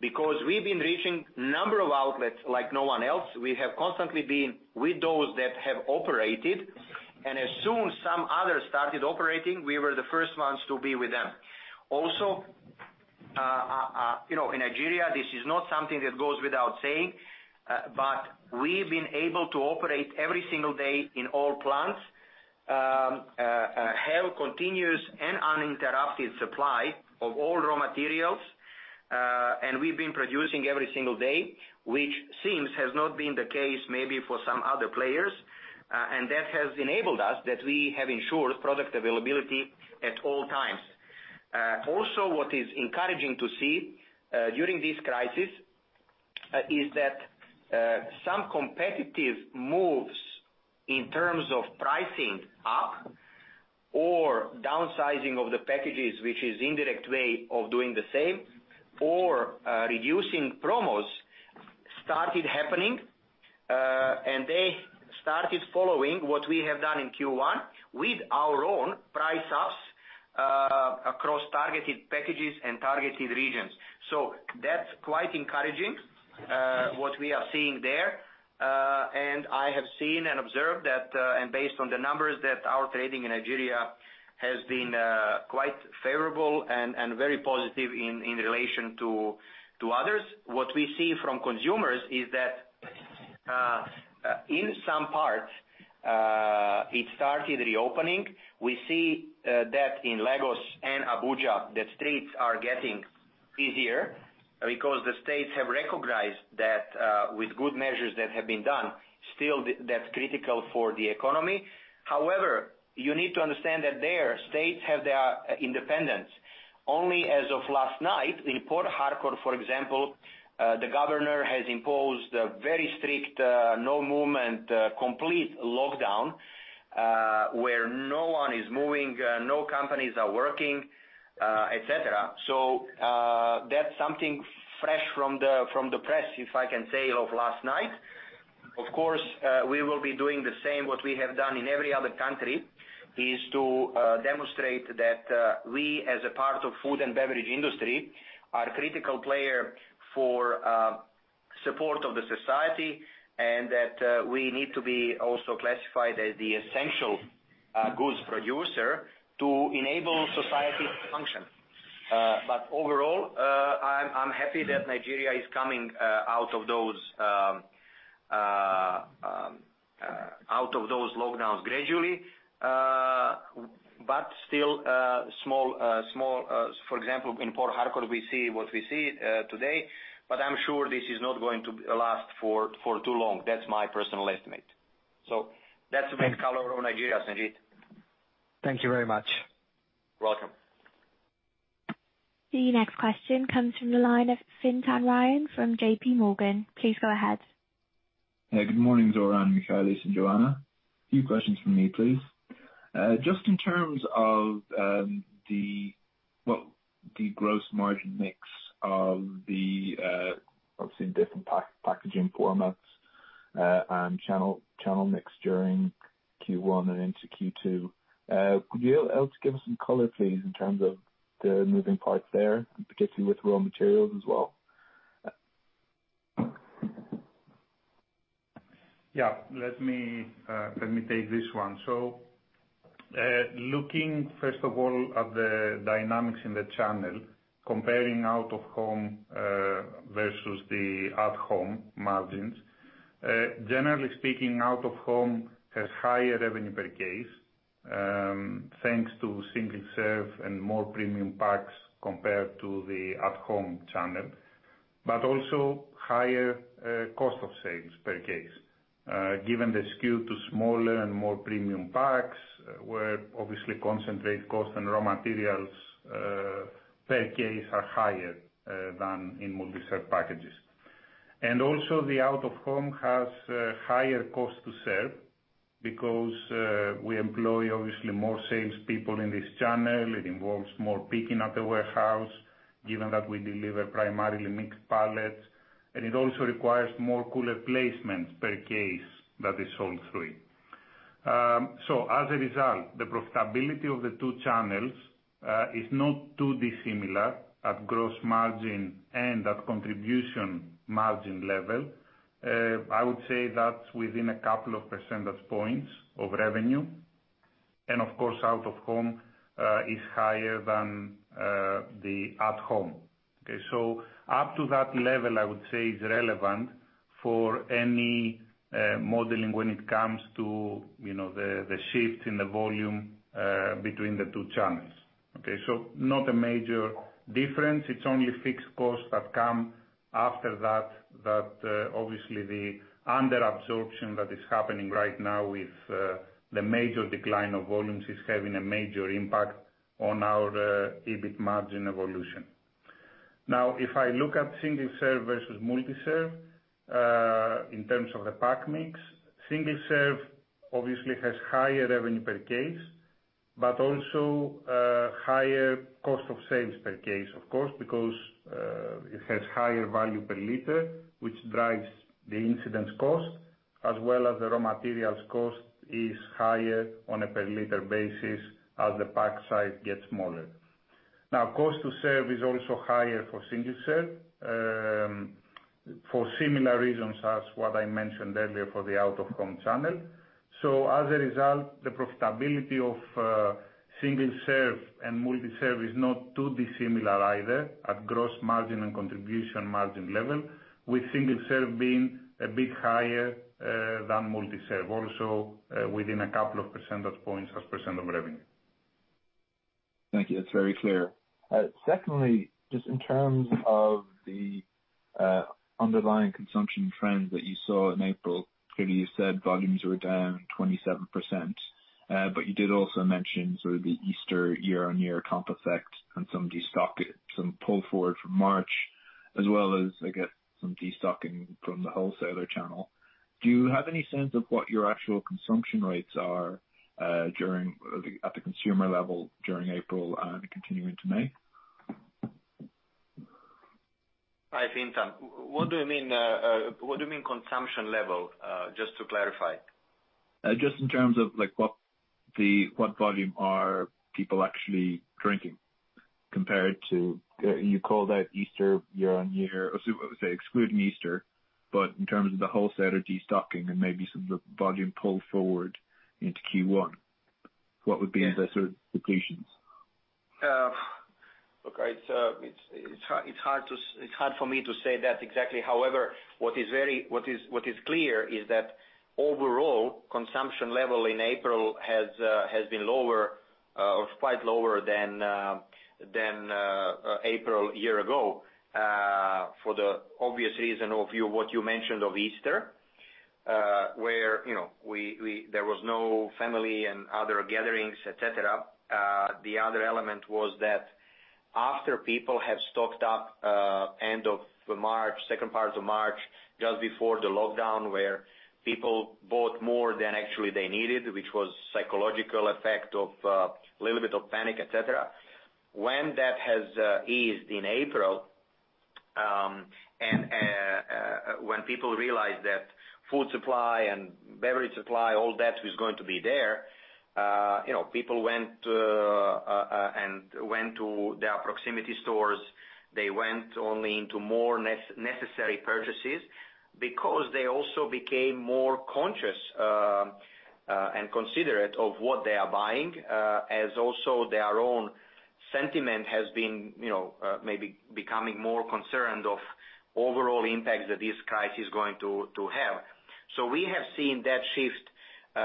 because we've been reaching a number of outlets like no one else. We have constantly been with those that have operated, and as soon as some others started operating, we were the first ones to be with them. Also, in Nigeria, this is not something that goes without saying, but we've been able to operate every single day in all plants, have continuous and uninterrupted supply of all raw materials, and we've been producing every single day, which seems has not been the case maybe for some other players. That has enabled us that we have ensured product availability at all times. Also, what is encouraging to see during this crisis is that some competitive moves in terms of pricing up or downsizing of the packages, which is an indirect way of doing the same, or reducing promos started happening, and they started following what we have done in Q1 with our own price ups across targeted packages and targeted regions. So that's quite encouraging what we are seeing there. I have seen and observed that, and based on the numbers that our trading in Nigeria has been quite favorable and very positive in relation to others. What we see from consumers is that in some parts, it started reopening. We see that in Lagos and Abuja, that streets are getting busier because the states have recognized that with good measures that have been done, still that's critical for the economy. However, you need to understand that their states have their independence. Only as of last night, in Port Harcourt, for example, the governor has imposed a very strict no-movement, complete lockdown where no one is moving, no companies are working, et cetera. So that's something fresh from the press, if I can say, of last night. Of course, we will be doing the same what we have done in every other country, is to demonstrate that we, as a part of the food and beverage industry, are a critical player for support of the society and that we need to be also classified as the essential goods producer to enable society to function. But overall, I'm happy that Nigeria is coming out of those lockdowns gradually, but still small. For example, in Port Harcourt, we see what we see today, but I'm sure this is not going to last for too long. That's my personal estimate. So that's the main color of Nigeria, Sanjeet. Thank you very much. You're welcome. The next question comes from the line of Fintan Ryan from JPMorgan. Please go ahead. Good morning, Zoran, Michalis, and Joanna. A few questions from me, please. Just in terms of the gross margin mix of the obviously different packaging formats and channel mix during Q1 and into Q2, could you help to give us some color, please, in terms of the moving parts there, particularly with raw materials as well? Yeah. Let me take this one. So looking, first of all, at the dynamics in the channel, comparing out-of-home versus the at-home margins, generally speaking, out-of-home has higher revenue per case thanks to single serve and more premium packs compared to the at-home channel, but also higher cost of sales per case. Given the skew to smaller and more premium packs, where obviously concentrate cost and raw materials per case are higher than in multi-serve packages. And also, the out-of-home has higher cost to serve because we employ, obviously, more salespeople in this channel. It involves more picking at the warehouse, given that we deliver primarily mixed pallets, and it also requires more cooler placements per case that is sold through. So as a result, the profitability of the two channels is not too dissimilar at gross margin and at contribution margin level. I would say that's within a couple of percentage points of revenue. And of course, out-of-home is higher than the at-home. Okay. So up to that level, I would say is relevant for any modeling when it comes to the shifts in the volume between the two channels. Okay. So not a major difference. It's only fixed costs that come after that, that obviously the underabsorption that is happening right now with the major decline of volumes is having a major impact on our EBIT margin evolution. Now, if I look at single serve versus multi-serve in terms of the pack mix, single serve obviously has higher revenue per case, but also higher cost of sales per case, of course, because it has higher value per liter, which drives the incidence cost, as well as the raw materials cost is higher on a per-liter basis as the pack size gets smaller. Now, cost to serve is also higher for single serve for similar reasons as what I mentioned earlier for the out-of-home channel. So as a result, the profitability of single serve and multi-serve is not too dissimilar either at gross margin and contribution margin level, with single serve being a bit higher than multi-serve, also within a couple of percentage points as percent of revenue. Thank you. That's very clear. Secondly, just in terms of the underlying consumption trends that you saw in April, clearly you said volumes were down 27%, but you did also mention sort of the Easter year-on-year comp effect and some pull forward from March, as well as, I guess, some destocking from the wholesaler channel. Do you have any sense of what your actual consumption rates are at the consumer level during April and continuing to May? Hi, Fintan. What do you mean? What do you mean consumption level, just to clarify? Just in terms of what volume are people actually drinking compared to you called out Easter year-on-year, excluding Easter, but in terms of the wholesaler destocking and maybe some of the volume pull forward into Q1, what would be the sort of depletions? Okay. It's hard for me to say that exactly. However, what is clear is that overall consumption level in April has been lower, or quite lower than April a year ago for the obvious reason of what you mentioned of Easter, where there was no family and other gatherings, et cetera. The other element was that after people have stocked up end of March, second part of March, just before the lockdown, where people bought more than actually they needed, which was a psychological effect of a little bit of panic, et cetera. When that has eased in April, and when people realized that food supply and beverage supply, all that was going to be there, people went and went to their proximity stores. They went only into more necessary purchases because they also became more conscious and considerate of what they are buying, as also their own sentiment has been maybe becoming more concerned of overall impacts that this crisis is going to have. So we have seen that shift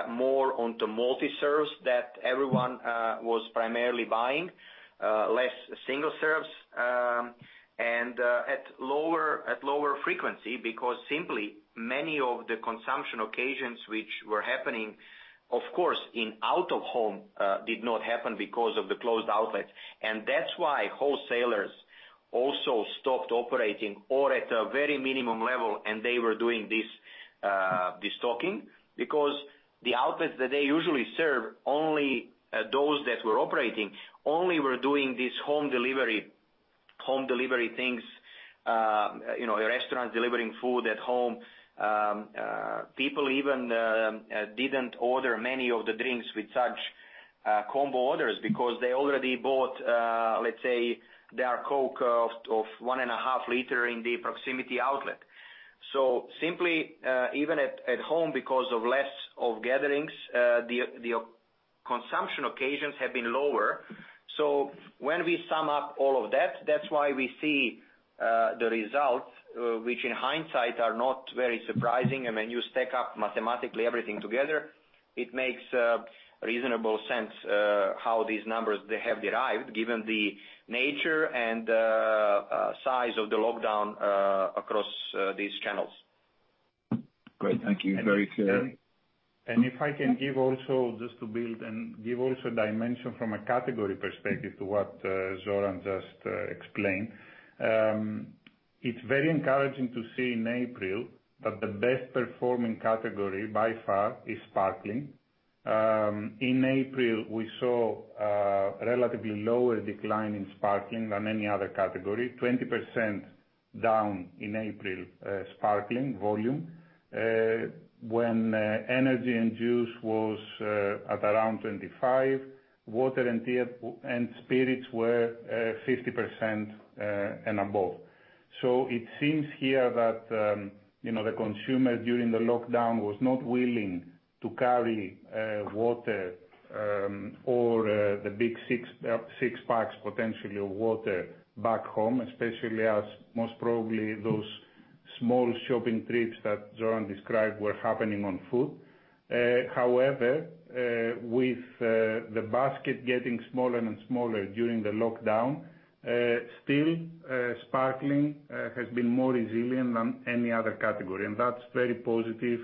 more onto multi-serves that everyone was primarily buying, less single serves, and at lower frequency because simply many of the consumption occasions which were happening, of course, in out-of-home did not happen because of the closed outlets, and that's why wholesalers also stopped operating or at a very minimum level, and they were doing this stocking because the outlets that they usually serve, those that were operating, only were doing these home delivery things, restaurants delivering food at home. People even didn't order many of the drinks with such combo orders because they already bought, let's say, their Coke of one and a half liter in the proximity outlet. So simply even at home, because of less of gatherings, the consumption occasions have been lower. So when we sum up all of that, that's why we see the results, which in hindsight are not very surprising. I mean, you stack up mathematically everything together, it makes reasonable sense how these numbers have derived given the nature and size of the lockdown across these channels. Great. Thank you. Very clear. If I can give also, just to build and give also a dimension from a category perspective to what Zoran just explained, it's very encouraging to see in April that the best performing category by far is sparkling. In April, we saw a relatively lower decline in sparkling than any other category, 20% down in April sparkling volume, when energy and juice was at around 25%, water and spirits were 50% and above. So it seems here that the consumer during the lockdown was not willing to carry water or the big six packs potentially of water back home, especially as most probably those small shopping trips that Zoran described were happening on foot. However, with the basket getting smaller and smaller during the lockdown, still sparkling has been more resilient than any other category. And that's very positive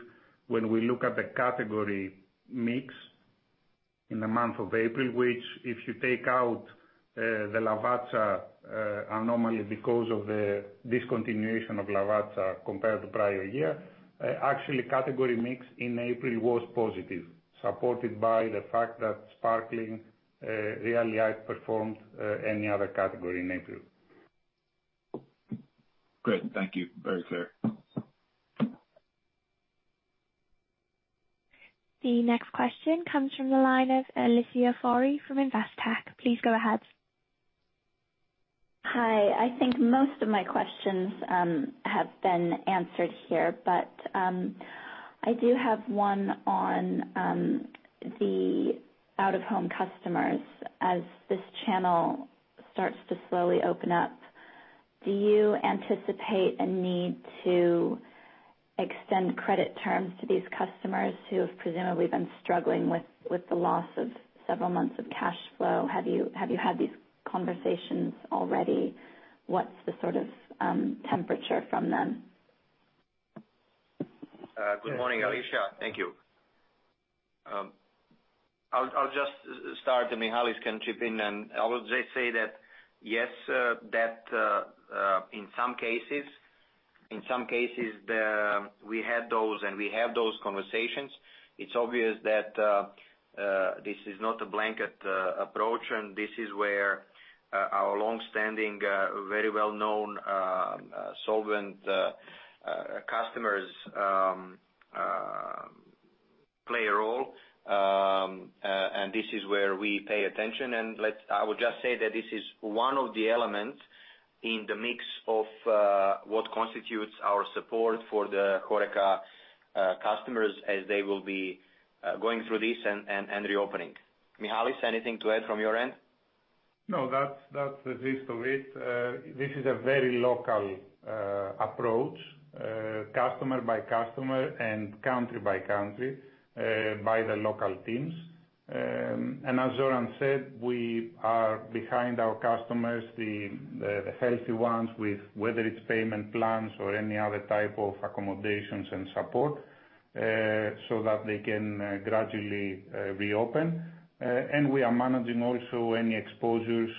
when we look at the category mix in the month of April, which if you take out the Lavazza anomaly because of the discontinuation of Lavazza compared to prior year, actually category mix in April was positive, supported by the fact that sparkling really outperformed any other category in April. Great. Thank you. Very clear. The next question comes from the line of Alicia Forry from Investec. Please go ahead. Hi. I think most of my questions have been answered here, but I do have one on the out-of-home customers. As this channel starts to slowly open up, do you anticipate a need to extend credit terms to these customers who have presumably been struggling with the loss of several months of cash flow? Have you had these conversations already? What's the sort of temperature from them? Good morning, Alicia. Thank you. I'll just start. Then, Michalis can chip in. I will just say that yes, that in some cases, we had those and we have those conversations. It's obvious that this is not a blanket approach, and this is where our longstanding, very well-known solvent customers play a role. This is where we pay attention. I would just say that this is one of the elements in the mix of what constitutes our support for the HoReCa customers as they will be going through this and reopening. Michalis, anything to add from your end? No, that's the gist of it. This is a very local approach, customer by customer and country by country by the local teams. As Zoran said, we are behind our customers, the healthy ones, whether it's payment plans or any other type of accommodations and support so that they can gradually reopen. And we are managing also any exposures,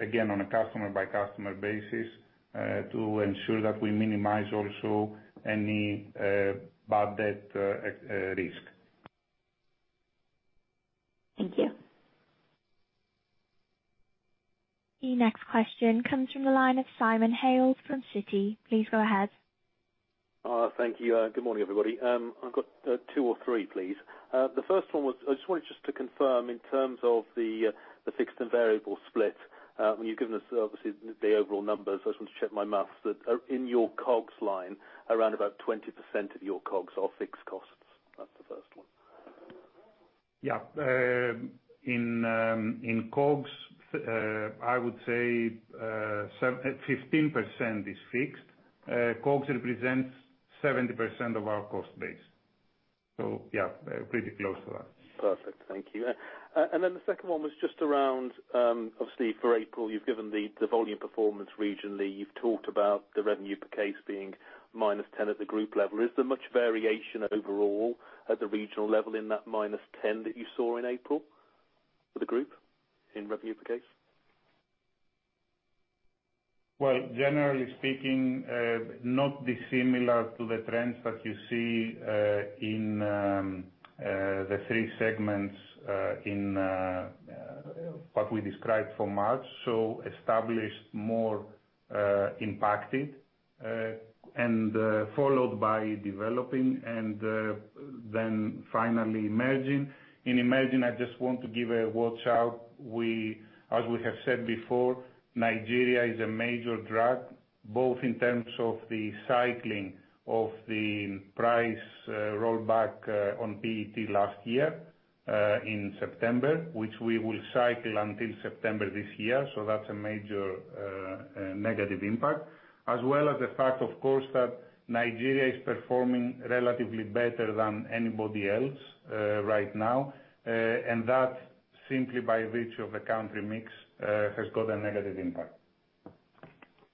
again, on a customer-by-customer basis to ensure that we minimize also any bad debt risk. Thank you. The next question comes from the line of Simon Hales from Citi. Please go ahead. Thank you. Good morning, everybody. I've got two or three, please. The first one was I just wanted just to confirm in terms of the fixed and variable split. When you've given us, obviously, the overall numbers, I just want to check my math that in your COGS line, around about 20% of your COGS are fixed costs. That's the first one. Yeah. In COGS, I would say 15% is fixed. COGS represents 70% of our cost base. So yeah, pretty close to that. Perfect. Thank you. And then the second one was just around, obviously, for April, you've given the volume performance regionally. You've talked about the revenue per case being minus 10 at the group level. Is there much variation overall at the regional level in that -10 that you saw in April for the group in revenue per case? Generally speaking, not dissimilar to the trends that you see in the three segments in what we described for March. Established, more impacted, followed by developing, and then finally emerging. In emerging, I just want to give a watch out. As we have said before, Nigeria is a major driver, both in terms of the cycling of the price rollback on PET last year in September, which we will cycle until September this year. So that's a major negative impact, as well as the fact, of course, that Nigeria is performing relatively better than anybody else right now, and that simply by virtue of the country mix has got a negative impact.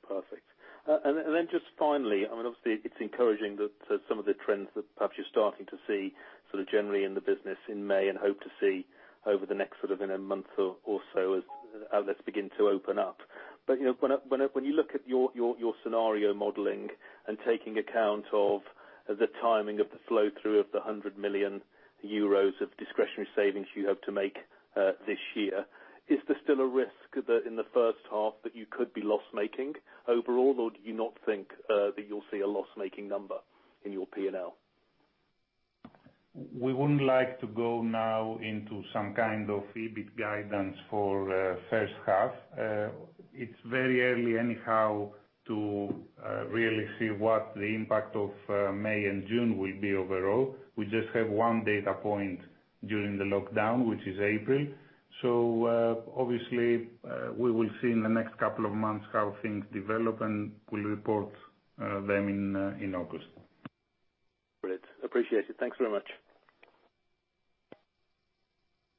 Perfect. And then just finally, I mean, obviously, it's encouraging that some of the trends that perhaps you're starting to see sort of generally in the business in May and hope to see over the next sort of in a month or so as outlets begin to open up. But when you look at your scenario modeling and taking account of the timing of the flow-through of the 100 million euros of discretionary savings you have to make this year, is there still a risk that in the first half that you could be loss-making overall, or do you not think that you'll see a loss-making number in your P&L? We wouldn't like to go now into some kind of EBIT guidance for first half. It's very early anyhow to really see what the impact of May and June will be overall. We just have one data point during the lockdown, which is April. So obviously, we will see in the next couple of months how things develop, and we'll report them in August. Great. Appreciate it. Thanks very much.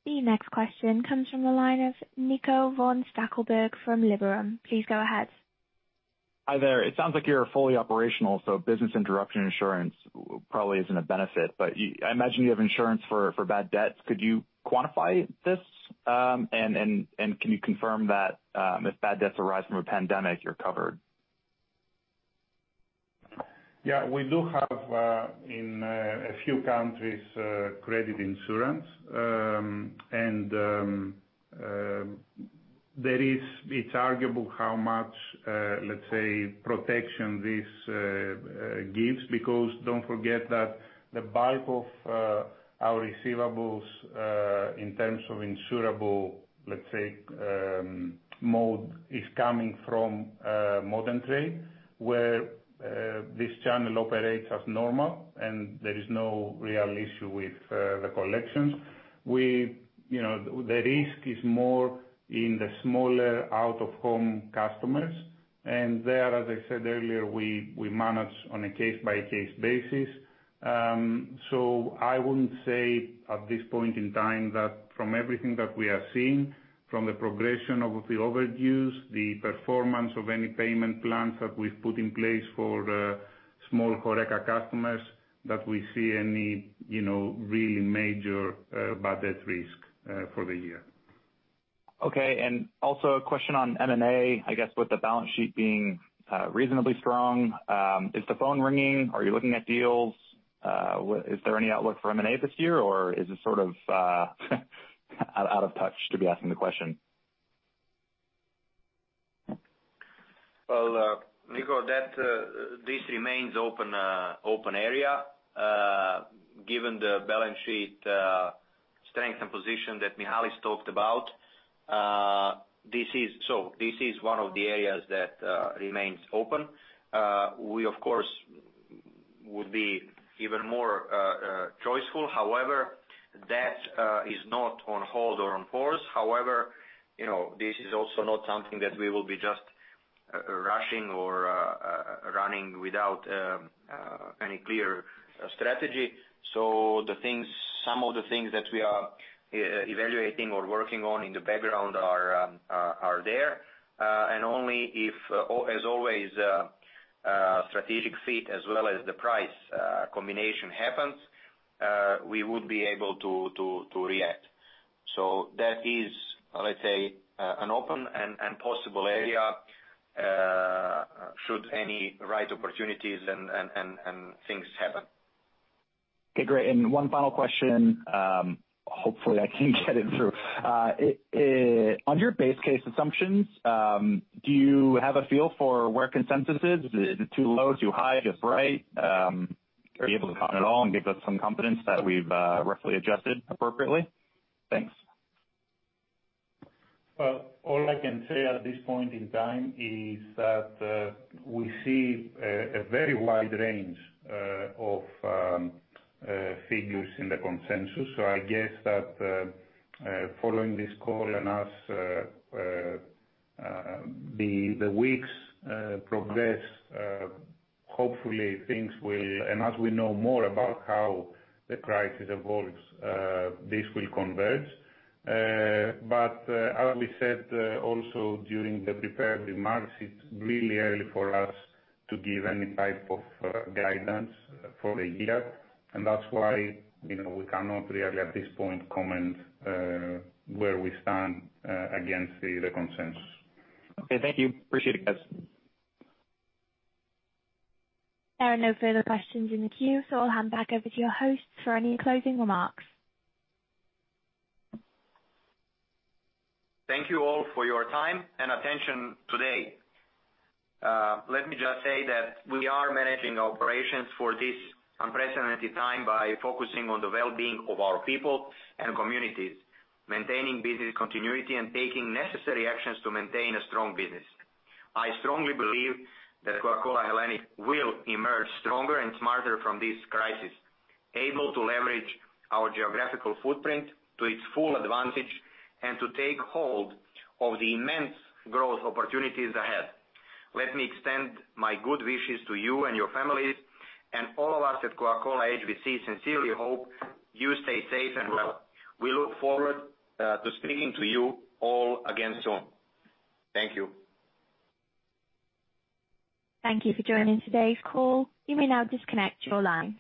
The next question comes from the line of Nico von Stackelberg from Liberum. Please go ahead. Hi there. It sounds like you're fully operational, so business interruption insurance probably isn't a benefit, but I imagine you have insurance for bad debts. Could you quantify this? And can you confirm that if bad debts arise from a pandemic, you're covered? Yeah. We do have in a few countries credit insurance, and it's arguable how much, let's say, protection this gives because don't forget that the bulk of our receivables in terms of insurable, let's say, mode is coming from modern trade, where this channel operates as normal, and there is no real issue with the collections. The risk is more in the smaller out-of-home customers. There, as I said earlier, we manage on a case-by-case basis. So I wouldn't say at this point in time that from everything that we are seeing, from the progression of the overdues, the performance of any payment plans that we've put in place for small HoReCa customers, that we see any really major bad debt risk for the year. Okay. And also a question on M&A, I guess with the balance sheet being reasonably strong. Is the phone ringing? Are you looking at deals? Is there any outlook for M&A this year, or is it sort of out of touch to be asking the question? Well, Nico, this remains open area given the balance sheet strength and position that Michalis talked about. So this is one of the areas that remains open. We, of course, would be even more choiceful. However, that is not on hold or on pause. However, this is also not something that we will be just rushing or running without any clear strategy. So some of the things that we are evaluating or working on in the background are there. And only if, as always, strategic fit as well as the price combination happens, we would be able to react. So that is, let's say, an open and possible area should any right opportunities and things happen. Okay. Great. And one final question. Hopefully, I can get it through. On your base case assumptions, do you have a feel for where consensus is? Is it too low, too high, just right? Are you able to comment at all and give us some confidence that we've roughly adjusted appropriately? Thanks. Well, all I can say at this point in time is that we see a very wide range of figures in the consensus. So I guess that following this call and as the weeks progress, hopefully, things will, and as we know more about how the crisis evolves, this will converge. But as we said also during the prepared remarks, it's really early for us to give any type of guidance for the year. And that's why we cannot really at this point comment where we stand against the consensus. Okay. Thank you. Appreciate it, guys. There are no further questions in the queue, so I'll hand back over to your hosts for any closing remarks. Thank you all for your time and attention today. Let me just say that we are managing operations for this unprecedented time by focusing on the well-being of our people and communities, maintaining business continuity, and taking necessary actions to maintain a strong business. I strongly believe that Coca-Cola Hellenic will emerge stronger and smarter from this crisis, able to leverage our geographical footprint to its full advantage and to take hold of the immense growth opportunities ahead. Let me extend my good wishes to you and your families, and all of us at Coca-Cola HBC sincerely hope you stay safe and well. We look forward to speaking to you all again soon. Thank you. Thank you for joining today's call. You may now disconnect your line.